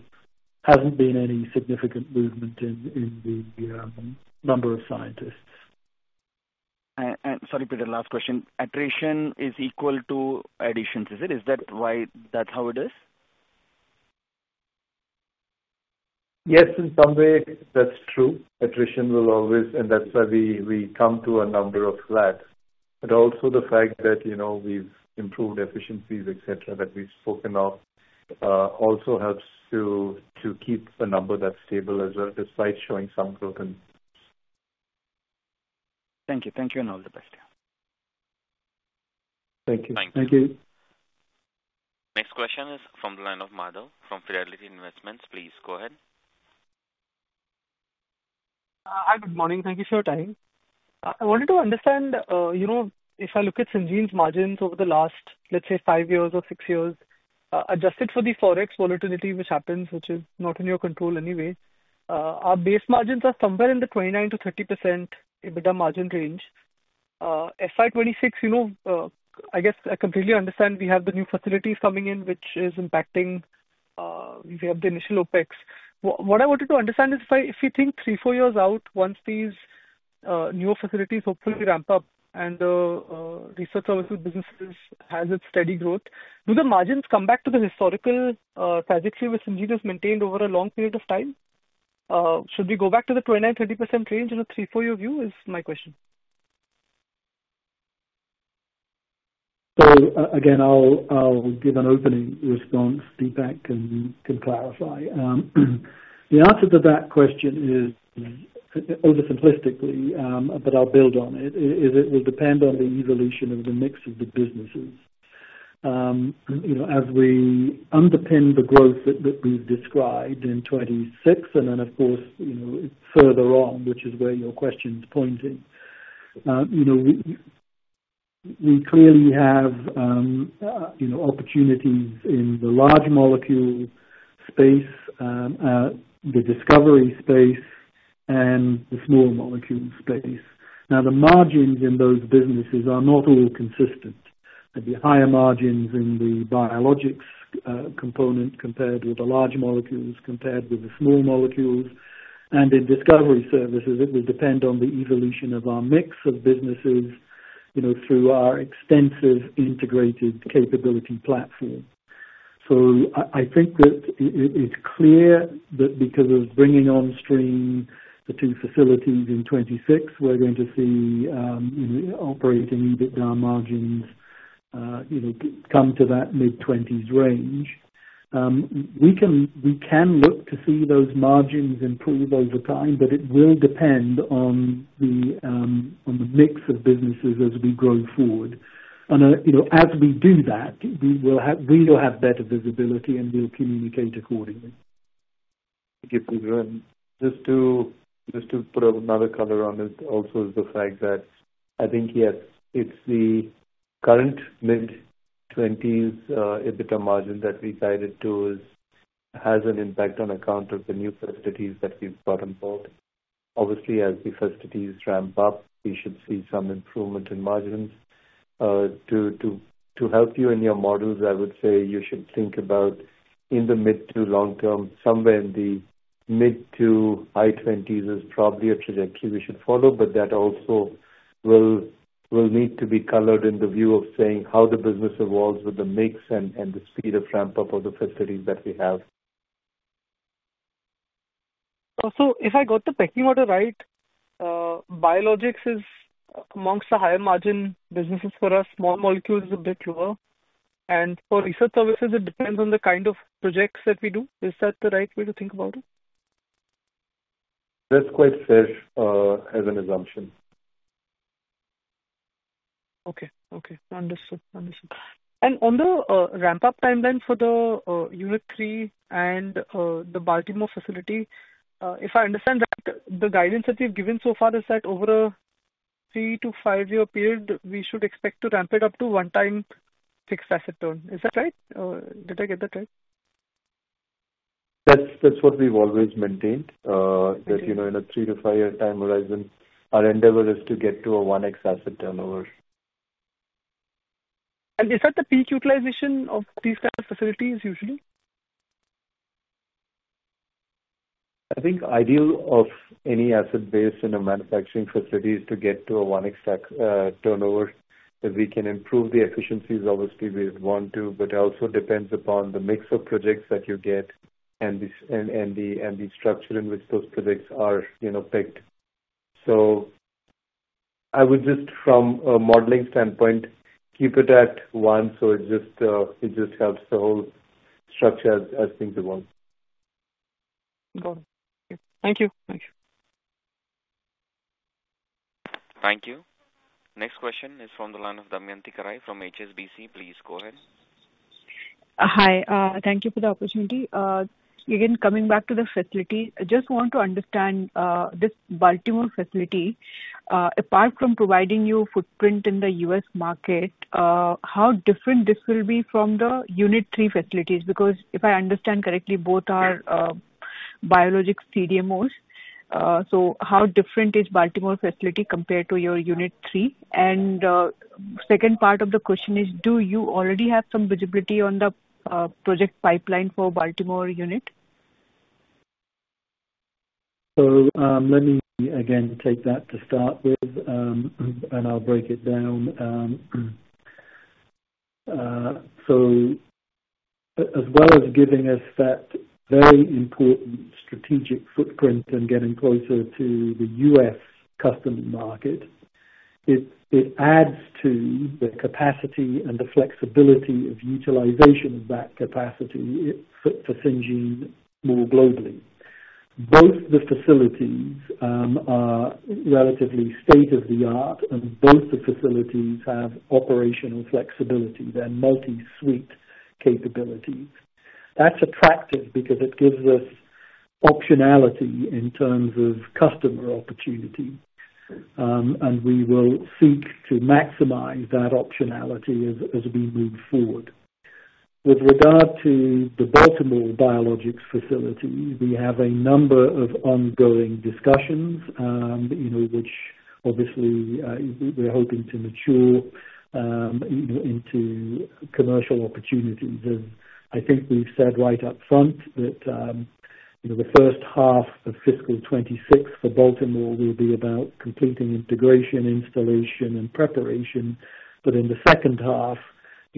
Hasn't been any significant movement in the number of scientists. Sorry, Peter, last question. Attrition is equal to additions, is it? Is that why that's how it is? Yes, in some ways, that's true. Attrition will always, and that's why we come to a number of flat. Also, the fact that we've improved efficiencies, etc., that we've spoken of also helps to keep the number that's stable as well despite showing some growth in numbers. Thank you. Thank you and all the best. Thank you. Thank you. Thank you. Next question is from the line of Madhav from Fidelity Investments. Please go ahead. Hi, good morning. Thank you for your time. I wanted to understand if I look at Syngene's margins over the last, let's say, five years or six years, adjusted for the Forex volatility, which happens, which is not in your control anyway, our base margins are somewhere in the 29%-30% EBITDA margin range. FY 2026, I guess I completely understand we have the new facilities coming in, which is impacting the initial OpEx. What I wanted to understand is if you think three, four years out, once these new facilities hopefully ramp up and the Research Services businesses have its steady growth, do the margins come back to the historical trajectory which Syngene has maintained over a long period of time? Should we go back to the 29%-30% range in a three, four-year view is my question. I'll give an opening response, Deepak, and can clarify. The answer to that question is, oversimplistically, but I'll build on it, it will depend on the evolution of the mix of the businesses. As we underpin the growth that we've described in 2026 and then, of course, further on, which is where your question's pointing, we clearly have opportunities in the large molecule space, the discovery space, and the small molecule space. Now, the margins in those businesses are not all consistent. There'd be higher margins in the biologics component compared with the large molecules compared with the small molecules. In discovery services, it will depend on the evolution of our mix of businesses through our extensive integrated capability platform. I think that it's clear that because of bringing on stream the two facilities in 2026, we're going to see operating EBITDA margins come to that mid-20s range. We can look to see those margins improve over time, but it will depend on the mix of businesses as we grow forward. As we do that, we will have better visibility, and we'll communicate accordingly. Thank you, Peter. Just to put another color on it also is the fact that I think, yes, the current mid-20s EBITDA margin that we guided towards has an impact on account of the new facilities that we've brought on board. Obviously, as the facilities ramp up, we should see some improvement in margins. To help you in your models, I would say you should think about in the mid to long term, somewhere in the mid to high 20s is probably a trajectory we should follow, but that also will need to be colored in the view of saying how the business evolves with the mix and the speed of ramp-up of the facilities that we have. Also, if I got the pecking order right, biologics is amongst the higher margin businesses for us. Small molecules is a bit lower. For research services, it depends on the kind of projects that we do. Is that the right way to think about it? That's quite fair as an assumption. Okay. Okay. Understood. Understood. On the ramp-up timeline for the Unit 3 and the Baltimore facility, if I understand that, the guidance that we've given so far is that over a three to five-year period, we should expect to ramp it up to one-time fixed asset turn. Is that right? Did I get that right? That's what we've always maintained, that in a three to five-year time horizon, our endeavor is to get to a 1x asset turnover. Is that the peak utilization of these kinds of facilities usually? I think ideal of any asset-based and a manufacturing facility is to get to a 1x turnover. If we can improve the efficiencies, obviously, we'd want to, but it also depends upon the mix of projects that you get and the structure in which those projects are picked. I would just, from a modeling standpoint, keep it at one. It just helps the whole structure as things evolve. Got it. Thank you. Thank you. Thank you. Next question is from the line of Damyanti Karai from HSBC. Please go ahead. Hi. Thank you for the opportunity. Again, coming back to the facility, I just want to understand this Baltimore facility, apart from providing you footprint in the U.S. market, how different this will be from the Unit 3 facilities? Because if I understand correctly, both are biologics CDMOs. How different is Baltimore facility compared to your Unit 3? The second part of the question is, do you already have some visibility on the project pipeline for Baltimore unit? Let me again take that to start with, and I'll break it down. As well as giving us that very important strategic footprint and getting closer to the U.S. customer market, it adds to the capacity and the flexibility of utilization of that capacity for Syngene more globally. Both the facilities are relatively state-of-the-art, and both the facilities have operational flexibility. They're multi-suite capabilities. That's attractive because it gives us optionality in terms of customer opportunity. We will seek to maximize that optionality as we move forward. With regard to the Baltimore biologics facility, we have a number of ongoing discussions, which obviously we're hoping to mature into commercial opportunities. I think we've said right up front that the first half of fiscal 2026 for Baltimore will be about completing integration, installation, and preparation. In the second half,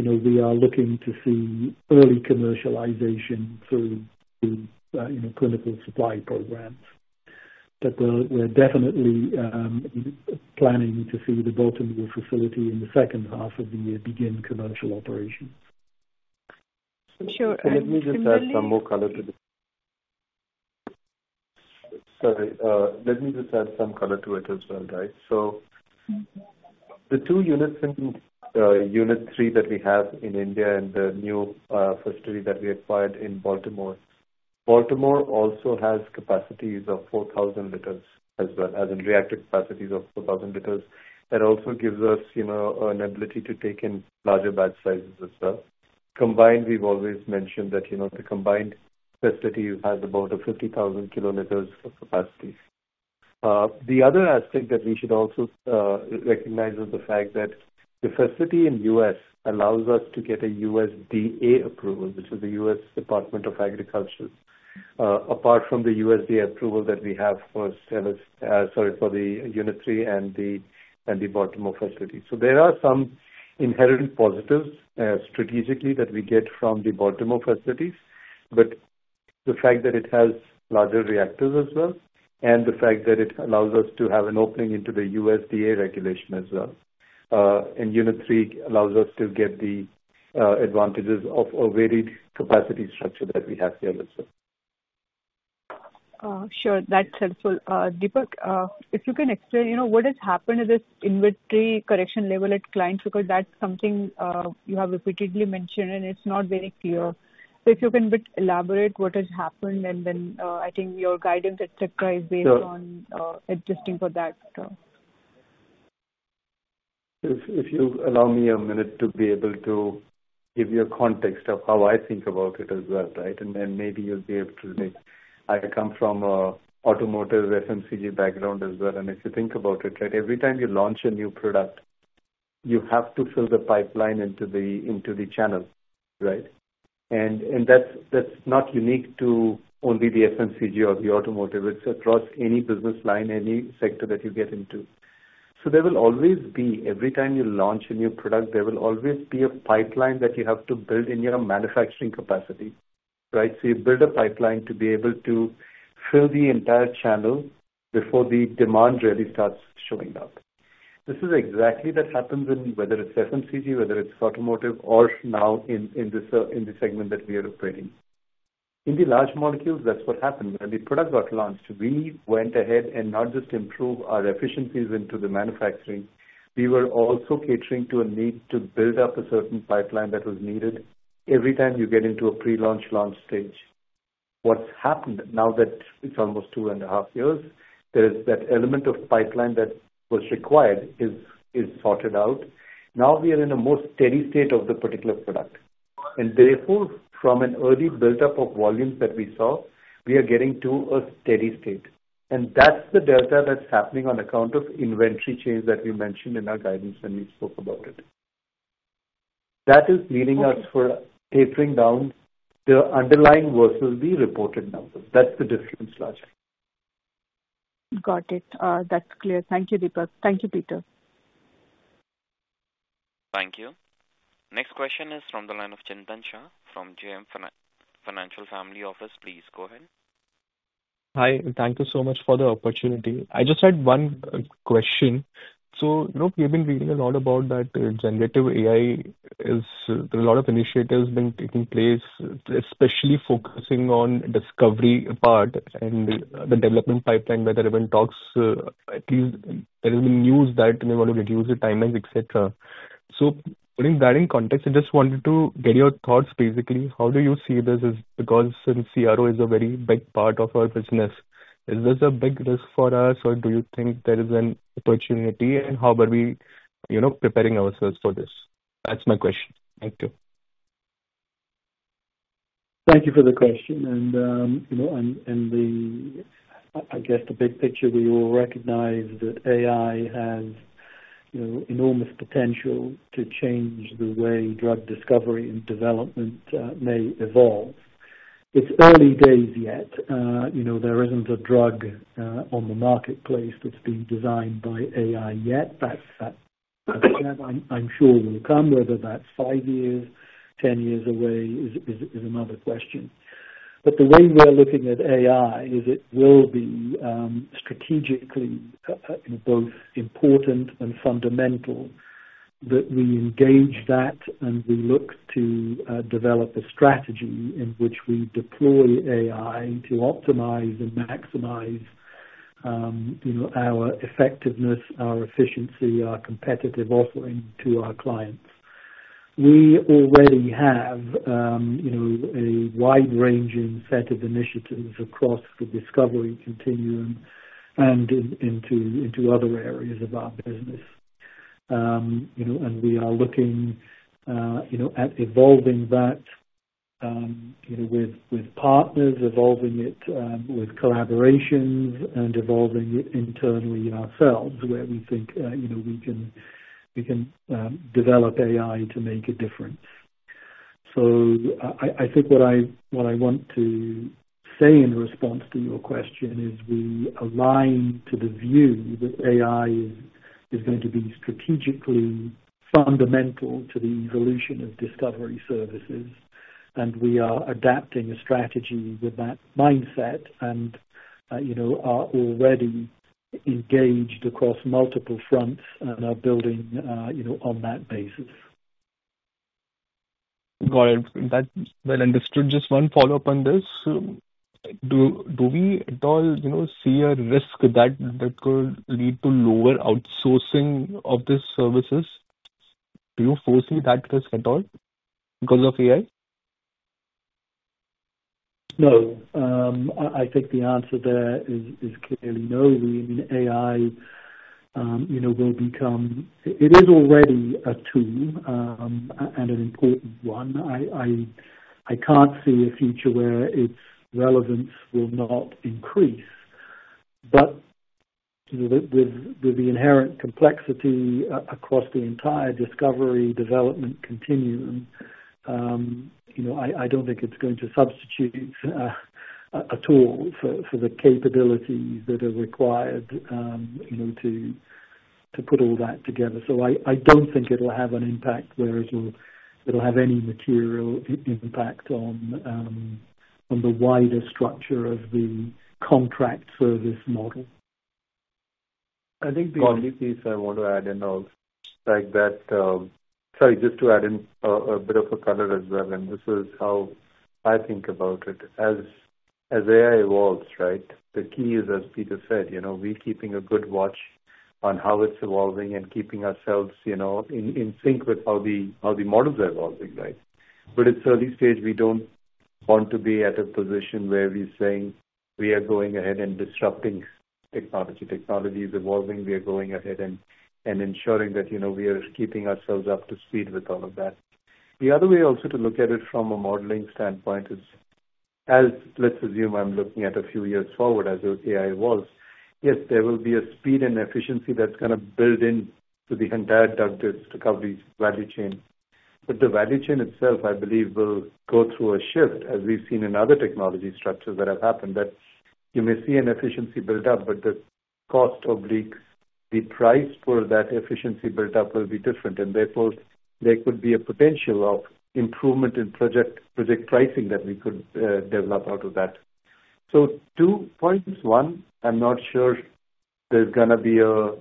we are looking to see early commercialization through clinical supply programs. But we're definitely planning to see the Baltimore facility in the second half of the year begin commercial operations. Let me just add some color to it as well, right? The two units in Unit 3 that we have in India and the new facility that we acquired in Baltimore, Baltimore also has capacities of 4,000 liters as well, has reactive capacities of 4,000 liters. That also gives us an ability to take in larger batch sizes as well. Combined, we've always mentioned that the combined facility has about 50,000 kiloliters of capacity. The other aspect that we should also recognize is the fact that the facility in the U.S. allows us to get a USDA approval, which is the U.S. Department of Agriculture, apart from the USDA approval that we have for the Unit 3 and the Baltimore facility. There are some inherent positives strategically that we get from the Baltimore facilities, the fact that it has larger reactors as well, and the fact that it allows us to have an opening into the U.S. FDA regulation as well. Unit 3 allows us to get the advantages of a varied capacity structure that we have here as well. Sure. That's helpful. Deepak, if you can explain what has happened in this inventory correction level at clients, because that's something you have repeatedly mentioned, and it's not very clear. If you can elaborate what has happened, and then I think your guidance, etc., is based on existing for that? If you allow me a minute to be able to give you a context of how I think about it as well, right? Then maybe you'll be able to—I come from an automotive FMCG background as well. If you think about it, right, every time you launch a new product, you have to fill the pipeline into the channel, right? That's not unique to only the FMCG or the automotive. It's across any business line, any sector that you get into. There will always be, every time you launch a new product, there will always be a pipeline that you have to build in your manufacturing capacity, right? You build a pipeline to be able to fill the entire channel before the demand really starts showing up. This is exactly what happens in whether it's FMCG, whether it's automotive, or now in the segment that we are operating. In the large molecules, that's what happened. When the product got launched, we went ahead and not just improved our efficiencies into the manufacturing, we were also catering to a need to build up a certain pipeline that was needed every time you get into a pre-launch stage, what's happened now that it's almost two and a half years, there is that element of pipeline that was required is sorted out. Now we are in a more steady state of the particular product. Therefore, from an early buildup of volumes that we saw, we are getting to a steady state. That's the delta that's happening on account of inventory change that we mentioned in our guidance when we spoke about it. That is leading us for tapering down the underlying versus the reported numbers. That's the difference largely. Got it. That's clear. Thank you, Deepak. Thank you, Peter. Thank you. Next question is from the line of Chintan Shah from GM Financial Family Office. Please go ahead. Hi. Thank you so much for the opportunity. I just had one question. Look, we've been reading a lot about that generative AI. There are a lot of initiatives being taken place, especially focusing on the discovery part and the development pipeline, whether it talks at least there has been news that they want to reduce the timelines, etc. Putting that in context, I just wanted to get your thoughts. Basically, how do you see this? Because CRO is a very big part of our business. Is this a big risk for us, or do you think there is an opportunity, and how are we preparing ourselves for this? That's my question. Thank you. Thank you for the question. I guess the big picture, we all recognize that AI has enormous potential to change the way drug discovery and development may evolve. It's early days yet. There isn't a drug on the marketplace that's been designed by AI yet. That's that. I'm sure it will come. Whether that's 5 years, 10 years away is another question. The way we're looking at AI is it will be strategically both important and fundamental that we engage that and we look to develop a strategy in which we deploy AI to optimize and maximize our effectiveness, our efficiency, our competitive offering to our clients. We already have a wide-ranging set of initiatives across the discovery continuum and into other areas of our business. We are looking at evolving that with partners, evolving it with collaborations, and evolving it internally ourselves, where we think we can develop AI to make a difference. I think what I want to say in response to your question is we align to the view that AI is going to be strategically fundamental to the evolution of discovery services. We are adapting a strategy with that mindset and are already engaged across multiple fronts and are building on that basis. Got it. That's well understood. Just one follow-up on this. Do we at all see a risk that could lead to lower outsourcing of these services? Do you foresee that risk at all because of AI? No. I think the answer there is clearly no. I mean, AI will become, it is already, a tool and an important one. I can't see a future where its relevance will not increase. With the inherent complexity across the entire discovery development continuum, I don't think it's going to substitute at all for the capabilities that are required to put all that together. I don't think it'll have an impact where it'll have any material impact on the wider structure of the contract service model. I think the only piece I want to add in also, sorry, just to add in a bit of a color as well, and this is how I think about it. As AI evolves, right, the key is, as Peter said, we're keeping a good watch on how it's evolving and keeping ourselves in sync with how the models are evolving, right? At early stage, we don't want to be at a position where we're saying we are going ahead and disrupting technology. Technology is evolving. We are going ahead and ensuring that we are keeping ourselves up to speed with all of that. The other way also to look at it from a modeling standpoint is, let's assume I'm looking at a few years forward as AI evolves. Yes, there will be a speed and efficiency that's going to build into the entire drug discovery value chain. The value chain itself, I believe, will go through a shift as we've seen in other technology structures that have happened, that you may see an efficiency buildup, but the cost obliques, the price for that efficiency buildup will be different. Therefore, there could be a potential of improvement in project pricing that we could develop out of that. Two points. One, I'm not sure there's going to be a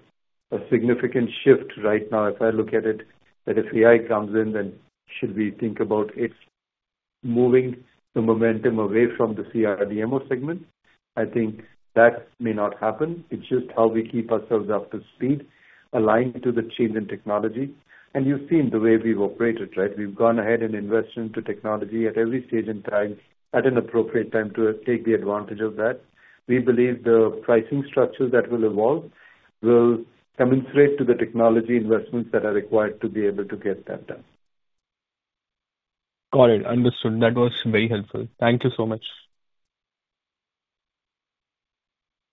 significant shift right now. If I look at it, if AI comes in, then should we think about it moving the momentum away from the CRDMO segment? I think that may not happen. It's just how we keep ourselves up to speed, aligned to the change in technology. You've seen the way we've operated, right? We've gone ahead and invested into technology at every stage in time at an appropriate time to take the advantage of that. We believe the pricing structures that will evolve will commensurate to the technology investments that are required to be able to get that done. Got it. Understood. That was very helpful. Thank you so much.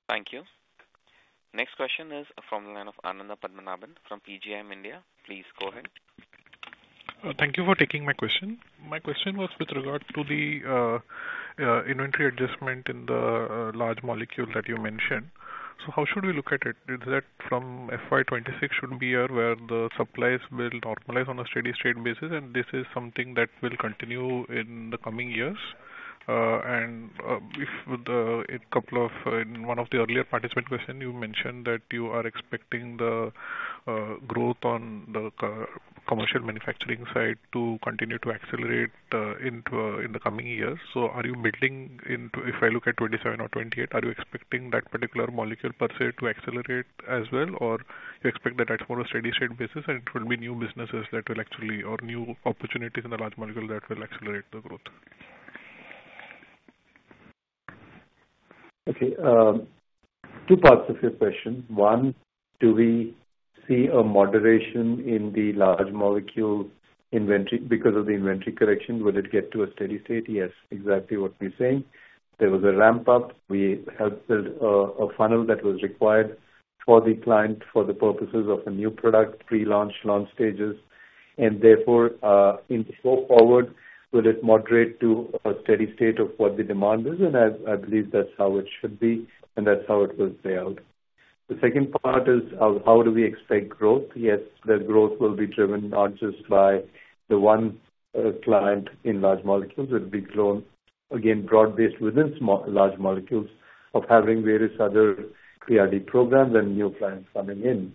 Thank you. Next question is from the line of Ananda Padmanabhan from PGIM India. Please go ahead. Thank you for taking my question. My question was with regard to the inventory adjustment in the large molecule that you mentioned. How should we look at it? Is that from FY2026 should be year where the supplies will normalize on a steady-state basis, and this is something that will continue in the coming years? In one of the earlier participant questions, you mentioned that you are expecting the growth on the commercial manufacturing side to continue to accelerate in the coming years. Are you middling into if I look at 2027 or 2028, are you expecting that particular molecule per se to accelerate as well, or you expect that that is more a steady-state basis, and it will be new businesses that will actually or new opportunities in the large molecule that will accelerate the growth? Okay. Two parts of your question. One, do we see a moderation in the large molecule inventory because of the inventory correction? Will it get to a steady state? Yes. Exactly what you're saying. There was a ramp-up. We helped build a funnel that was required for the client for the purposes of a new product, pre-launch, launch stages. Therefore, in the flow forward, will it moderate to a steady state of what the demand is? I believe that's how it should be, and that's how it will play out. The second part is, how do we expect growth? Yes, the growth will be driven not just by the one client in large molecules. It will be grown, again, broad-based within large molecules of having various other CRD programs and new clients coming in.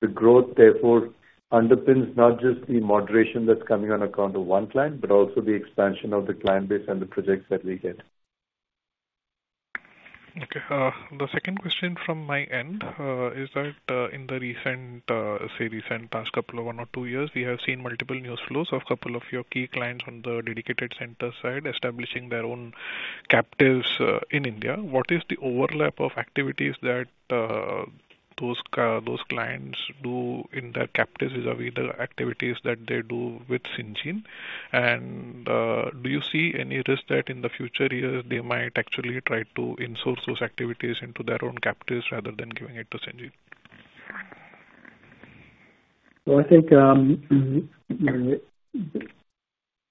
The growth, therefore, underpins not just the moderation that's coming on account of one client, but also the expansion of the client base and the projects that we get. Okay. The second question from my end is that in the recent, say, recent past couple of one or two years, we have seen multiple news flows of a couple of your key clients on the dedicated center side establishing their own captives in India. What is the overlap of activities that those clients do in their captives vis-à-vis the activities that they do with Syngene? And do you see any risk that in the future years, they might actually try to insource those activities into their own captives rather than giving it to Syngene?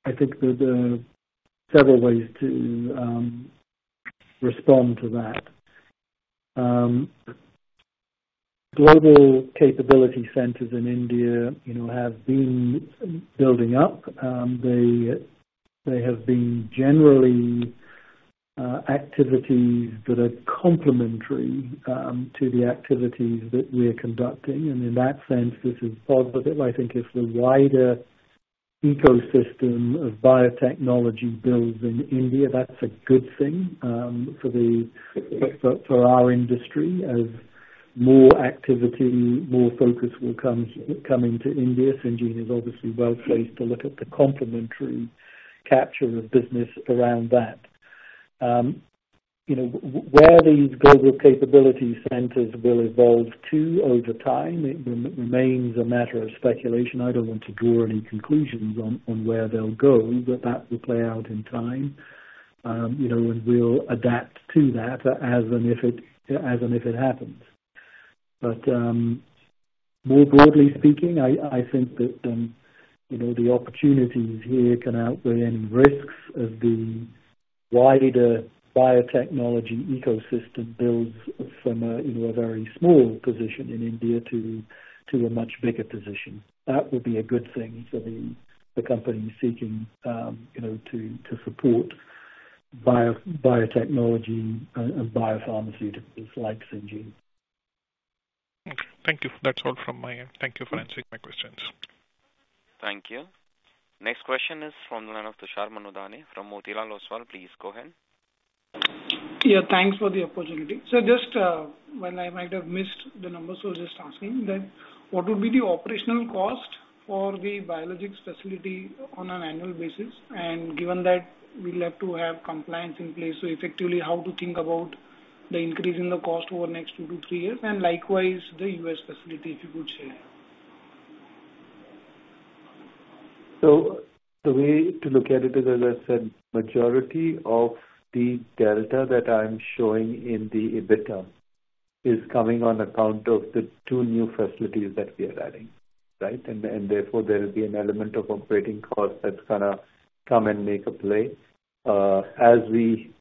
I think there are several ways to respond to that. Global capability centers in India have been building up. They have been generally activities that are complementary to the activities that we're conducting. In that sense, this is positive. I think if the wider ecosystem of biotechnology builds in India, that's a good thing for our industry as more activity, more focus will come into India. Syngene is obviously well placed to look at the complementary capture of business around that. Where these global capability centers will evolve to over time, it remains a matter of speculation. I don't want to draw any conclusions on where they'll go, but that will play out in time, and we'll adapt to that as and if it happens. More broadly speaking, I think that the opportunities here can outweigh any risks as the wider biotechnology ecosystem builds from a very small position in India to a much bigger position. That would be a good thing for the companies seeking to support biotechnology and biopharmaceuticals like Syngene. Okay. Thank you. That's all from my end. Thank you for answering my questions. Thank you. Next question is from the line of Tushar Manudhani from Motilal Oswal. Please go ahead. Yeah. Thanks for the opportunity. Just while I might have missed the numbers, just asking that what would be the operational cost for the biologics facility on an annual basis? Given that we'll have to have compliance in place, effectively, how to think about the increase in the cost over the next two to three years? Likewise, the US facility, if you could share. The way to look at it is, as I said, majority of the delta that I'm showing in the EBITDA is coming on account of the two new facilities that we are adding, right? Therefore, there will be an element of operating cost that's going to come and make a play as we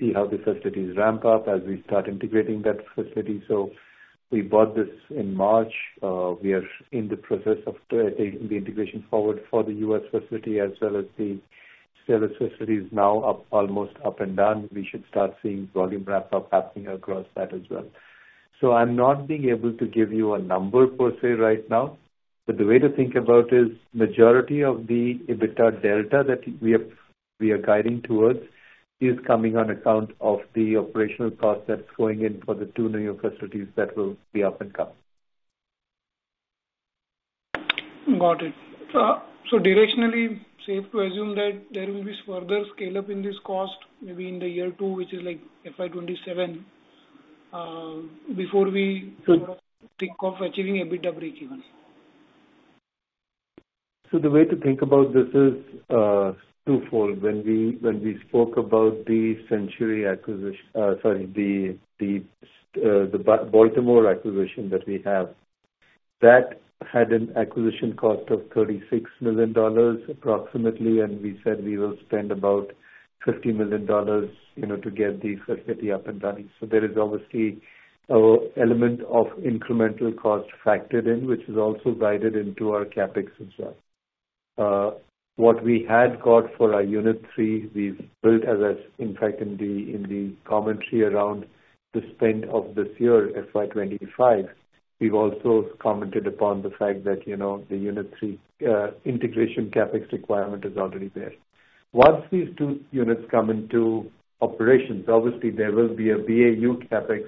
see how the facilities ramp up, as we start integrating that facility. We bought this in March. We are in the process of taking the integration forward for the U.S. facility as well as the sales facilities now almost up and down. We should start seeing volume ramp-up happening across that as well. I'm not being able to give you a number per se right now, but the way to think about it is majority of the EBITDA delta that we are guiding towards is coming on account of the operational cost that's going in for the two new facilities that will be up and coming. Got it. Directionally, safe to assume that there will be further scale-up in this cost maybe in the year two, which is like FY 2027, before we sort of think of achieving EBITDA break-even? The way to think about this is twofold. When we spoke about the Century Acquisition, sorry, the Baltimore acquisition that we have, that had an acquisition cost of $36 million approximately, and we said we will spend about $50 million to get the facility up and running. There is obviously an element of incremental cost factored in, which is also guided into our CapEx as well. What we had got for our unit three, we've built, as I have in fact in the commentary around the spend of this year, FY2025, we've also commented upon the fact that the unit three integration CapEx requirement is already there. Once these two units come into operations, obviously, there will be a BAU CapEx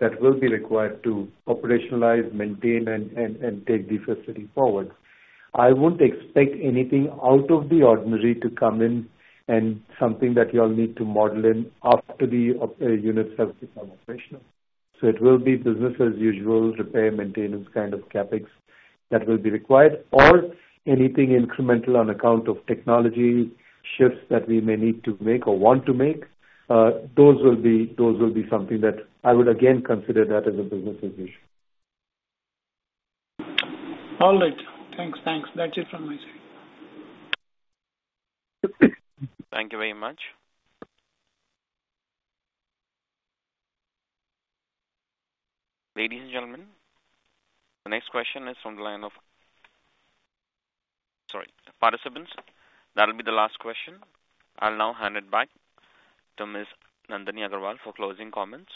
that will be required to operationalize, maintain, and take the facility forward. I wouldn't expect anything out of the ordinary to come in and something that you'll need to model in after the units have become operational. It will be business as usual, repair, maintenance kind of CapEx that will be required, or anything incremental on account of technology shifts that we may need to make or want to make. Those will be something that I would, again, consider that as a business as usual. All right. Thanks. Thanks. That's it from my side. Thank you very much. Ladies and gentlemen, the next question is from the line of, sorry, participants. That will be the last question. I will now hand it back to Ms. Nandini Agarwal for closing comments.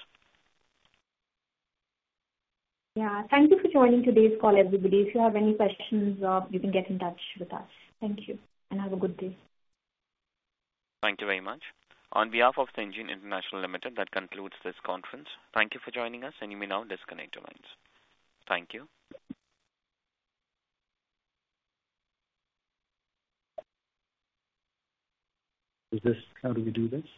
Yeah. Thank you for joining today's call, everybody. If you have any questions, you can get in touch with us. Thank you. Have a good day. Thank you very much. On behalf of Syngene International Limited, that concludes this conference. Thank you for joining us, and you may now disconnect your lines. Thank you. Is this how do we do this?